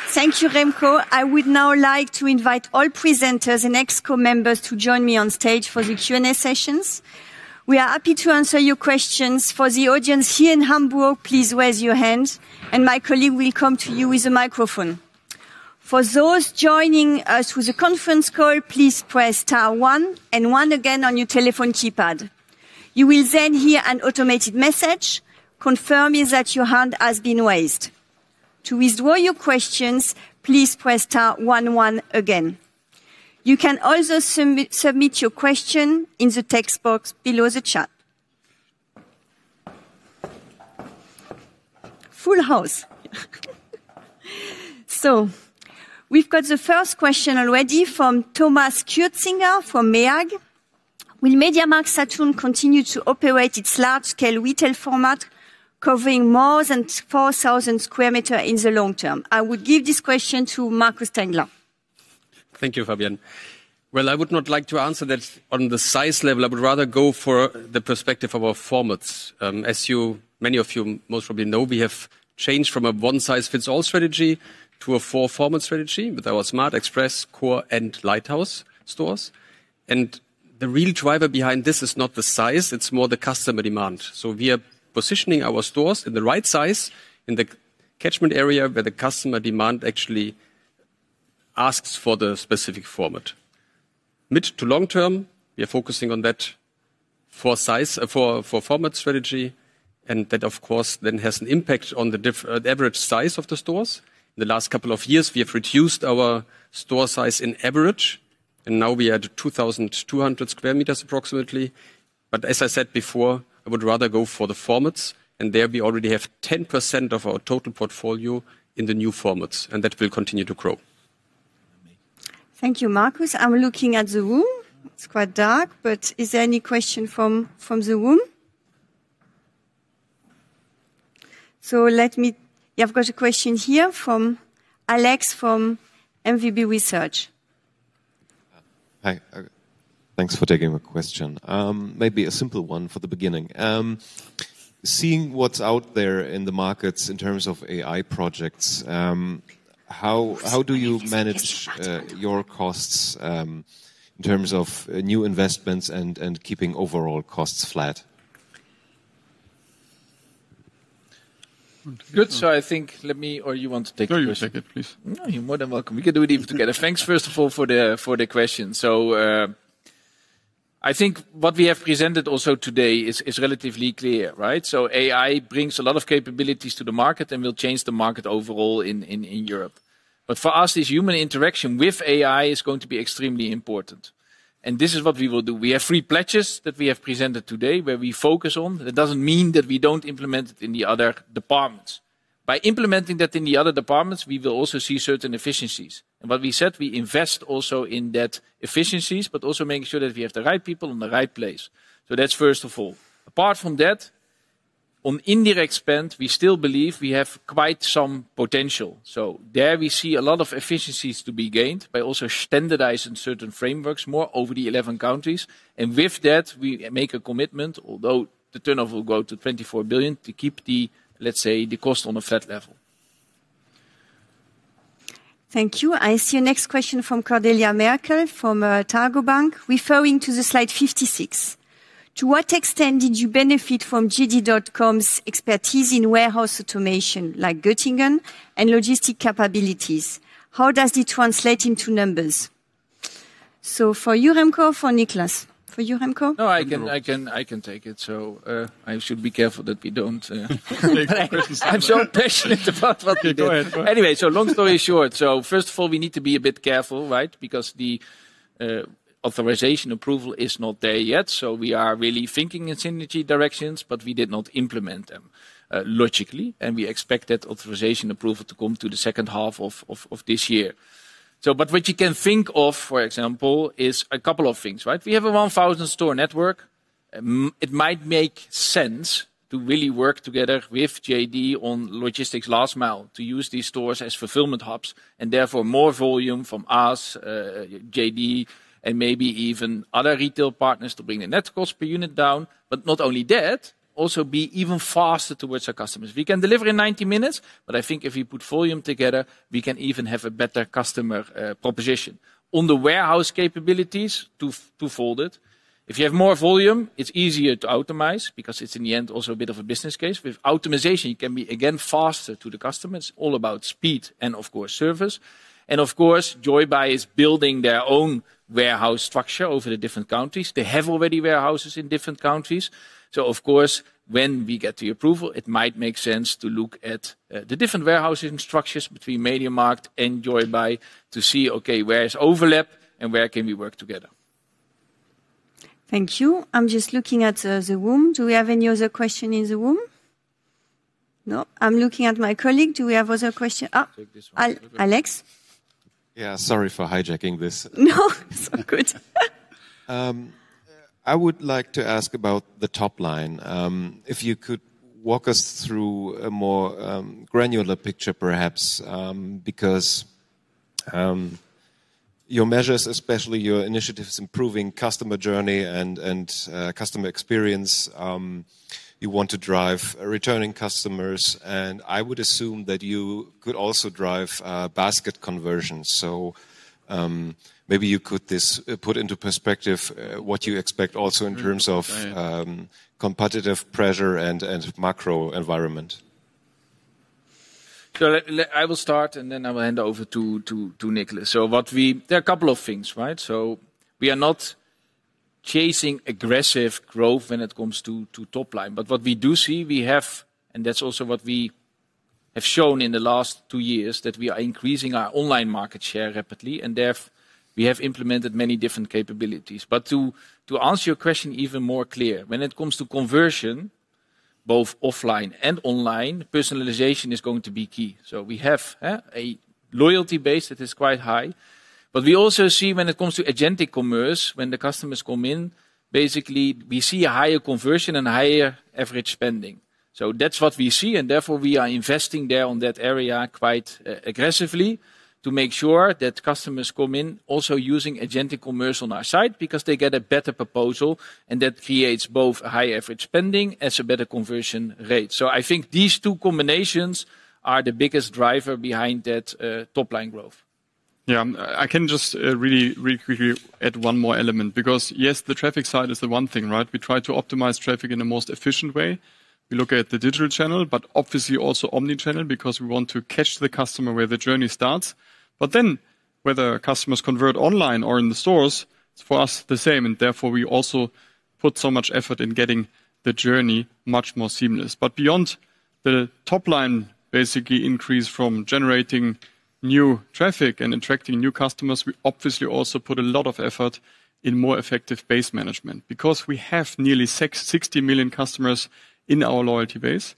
Thank you, Remko. I would now like to invite all presenters and ExCo members to join me on stage for the Q&A sessions. We are happy to answer your questions. For the audience here in Hamburg, please raise your hands and my colleague will come to you with a microphone. For those joining us through the conference call, please press star one and one again on your telephone keypad. You will then hear an automated message confirming that your hand has been raised. To withdraw your questions, please press star one one again. You can also submit your question in the text box below the chat. Full house. We’ve got the first question already from Thomas Kürtsinger from MEAG. Will MediaMarktSaturn continue to operate its large-scale retail format covering more than 4,000sq m in the long term? I would give this question to Marcus Tengler. Thank you, Fabienne. I would not like to answer that on the size level. I would rather go for the perspective of our formats. As many of you most probably know, we have changed from a one-size-fits-all strategy to a four-format strategy with our smart, express, core, and Lighthouse stores. The real driver behind this is not the size, it is more the customer demand. We are positioning our stores in the right size in the catchment area, where the customer demand actually asks for the specific format. Mid to long term, we are focusing on that four-format strategy, and that, of course, then has an impact on the average size of the stores. In the last couple of years, we have reduced our store size in average, and now we are at 2,200sq m approximately. As I said before, I would rather go for the formats, and there we already have 10% of our total portfolio in the new formats, and that will continue to grow. Thank you, Marcus. I’m looking at the room. It’s quite dark, but is there any question from the room? I’ve got a question here from Alex from MWB Research. Hi. Thanks for taking the question. Maybe a simple one for the beginning. Seeing what's out there in the markets in terms of AI projects, how do you manage your costs in terms of new investments and keeping overall costs flat? Good. You want to take the question? No, you take it, please. No, you're more than welcome. We can do it even together. Thanks, first of all, for the question. I think what we have presented also today is relatively clear, right? AI brings a lot of capabilities to the market and will change the market overall in Europe. For us, this human interaction with AI is going to be extremely important, and this is what we will do. We have three pledges that we have presented today, where we focus on. That doesn't mean that we don't implement it in the other departments. By implementing that in the other departments, we will also see certain efficiencies. What we said, we invest also in that efficiencies, but also making sure that we have the right people in the right place. That's first of all. Apart from that, on indirect spend, we still believe we have quite some potential. There we see a lot of efficiencies to be gained by also standardizing certain frameworks more over the 11 countries. With that, we make a commitment, although the turnover will go to 24 billion, to keep, let's say, the cost on a flat level. Thank you. I see a next question from Cordelia Merkel, Targo Bank. Referring to the slide 56. To what extent did you benefit from JD.com's expertise in warehouse automation, like Göttingen, and logistic capabilities? How does it translate into numbers? For you, Remko, for Niclas. For you, Remko? No, I can take it. I should be careful that we don't. Take the questions. I'm so passionate about what we did. Go ahead. Long story short. First of all, we need to be a bit careful, right? Because the authorization approval is not there yet, so we are really thinking in synergy directions, but we did not implement them, logically. We expect that authorization approval to come to the second half of this year. What you can think of, for example, is a couple of things, right? We have a 1,000 store network. It might make sense to really work together with JD on logistics last mile, to use these stores as fulfillment hubs, and therefore more volume from us, JD, and maybe even other retail partners to bring the net cost per unit down. Not only that, also be even faster towards our customers. We can deliver in 90 minutes, but I think if we put volume together, we can even have a better customer proposition. On the warehouse capabilities, twofold it. If you have more volume, it's easier to optimize because it's in the end, also a bit of a business case. With optimization, you can be, again, faster to the customers. All about speed and of course, service. Of course, Joybuy is building their own warehouse structure over the different countries. They have already warehouses in different countries. Of course, when we get the approval, it might make sense to look at the different warehousing structures between MediaMarkt and Joybuy to see, okay, where is overlap and where can we work together. Thank you. I'm just looking at the room. Do we have any other question in the room? No. I'm looking at my colleague. Do we have other question? Oh, Alex. Yeah. Sorry for hijacking this. No. It's all good. I would like to ask about the top line. If you could walk us through a more granular picture, perhaps, because your measures, especially your initiatives, improving customer journey and customer experience, you want to drive returning customers, and I would assume that you could also drive basket conversions. Maybe you could put into perspective what you expect also in terms of competitive pressure and macro environment. I will start, I will hand over to Niclas. There are a couple of things, right? We are not chasing aggressive growth when it comes to top line. What we do see, we have, and that's also what we have shown in the last two years, that we are increasing our online market share rapidly, and we have implemented many different capabilities. To answer your question even more clear, when it comes to conversion, both offline and online, personalization is going to be key. We have a loyalty base that is quite high. We also see when it comes to agentic commerce, when the customers come in, basically, we see a higher conversion and higher average spending. That's what we see, and therefore, we are investing there on that area quite aggressively to make sure that customers come in also using agentic commerce on our side because they get a better proposal, and that creates both a high average spending as a better conversion rate. I think these two combinations are the biggest driver behind that top line growth. Yeah. I can just really quickly add one more element because, yes, the traffic side is the one thing. We try to optimize traffic in the most efficient way. We look at the digital channel, but obviously also omnichannel, because we want to catch the customer where the journey starts. Whether customers convert online or in the stores, it's the same for us, and therefore we also put so much effort into getting the journey much more seamless. Beyond the top line, basically increase from generating new traffic and attracting new customers, we obviously also put a lot of effort into more effective base management. We have nearly 60 million customers in our loyalty base,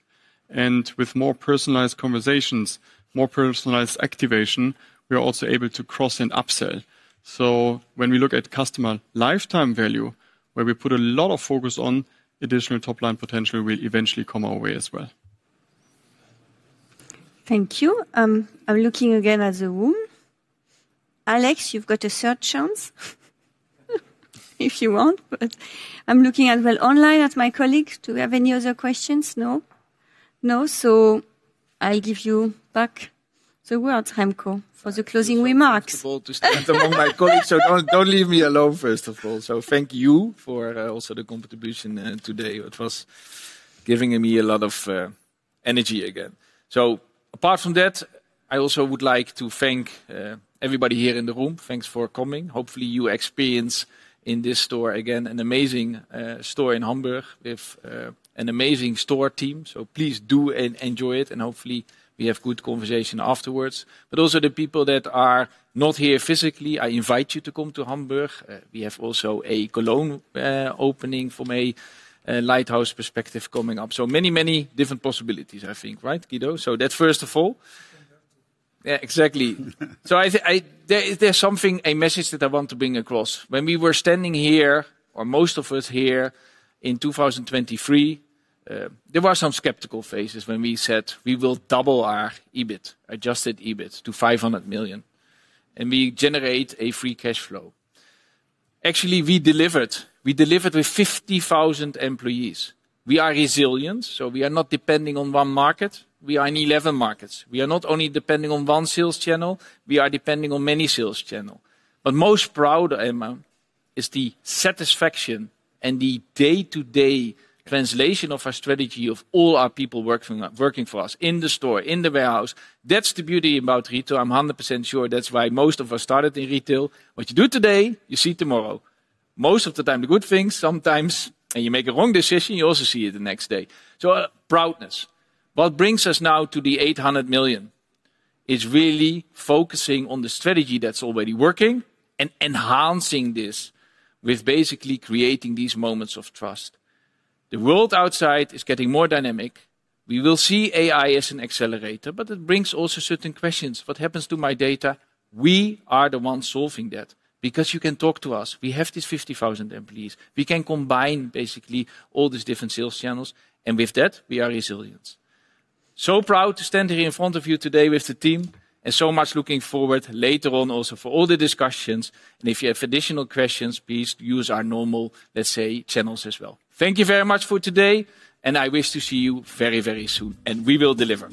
and with more personalized conversations, more personalized activation, we are also able to cross and upsell. When we look at customer lifetime value, where we put a lot of focus on additional top-line potential will eventually come our way as well. Thank you. I'm looking again at the room. Alex, you've got a third chance if you want, but I'm looking as well online at my colleagues. Do we have any other questions? No. I give you back the word, Remko, for the closing remarks. To stand among my colleagues, so don't leave me alone, first of all. Thank you for also the contribution today. It was giving me a lot of energy again. Apart from that, I also would like to thank everybody here in the room. Thanks for coming. Hopefully, you experience in this store, again, an amazing store in Hamburg with an amazing store team. Please do enjoy it and hopefully we have good conversation afterwards. Also the people that are not here physically, I invite you to come to Hamburg. We have also a Cologne opening from a Lighthouse perspective coming up. Many different possibilities, I think, right, Guido? That's first of all. Yeah, exactly. There's something, a message that I want to bring across. When we were standing here, or most of us here in 2023, there were some skeptical phases when we said we will double our EBIT, adjusted EBIT to 500 million, and we generate a free cash flow. Actually, we delivered. We delivered with 50,000 employees. We are resilient, so we are not depending on one market. We are in 11 markets. We are not only depending on one sales channel, we are depending on many sales channel. Most proud I am is the satisfaction and the day-to-day translation of our strategy of all our people working for us in the store, in the warehouse. That's the beauty about retail. I'm 100% sure that's why most of us started in retail. What you do today, you see tomorrow. Most of the time, the good things, sometimes, you make a wrong decision, you also see it the next day. Proudness. What brings us now to the 800 million is really focusing on the strategy that's already working and enhancing this with basically creating these Moments of Trust. The world outside is getting more dynamic. We will see AI as an accelerator, but it brings also certain questions. What happens to my data? We are the ones solving that, because you can talk to us. We have these 50,000 employees. We can combine basically all these different sales channels, and with that, we are resilient. Proud to stand here in front of you today with the team, and so much looking forward later on also for all the discussions. If you have additional questions, please use our normal, let's say, channels as well. Thank you very much for today, I wish to see you very soon. We will deliver.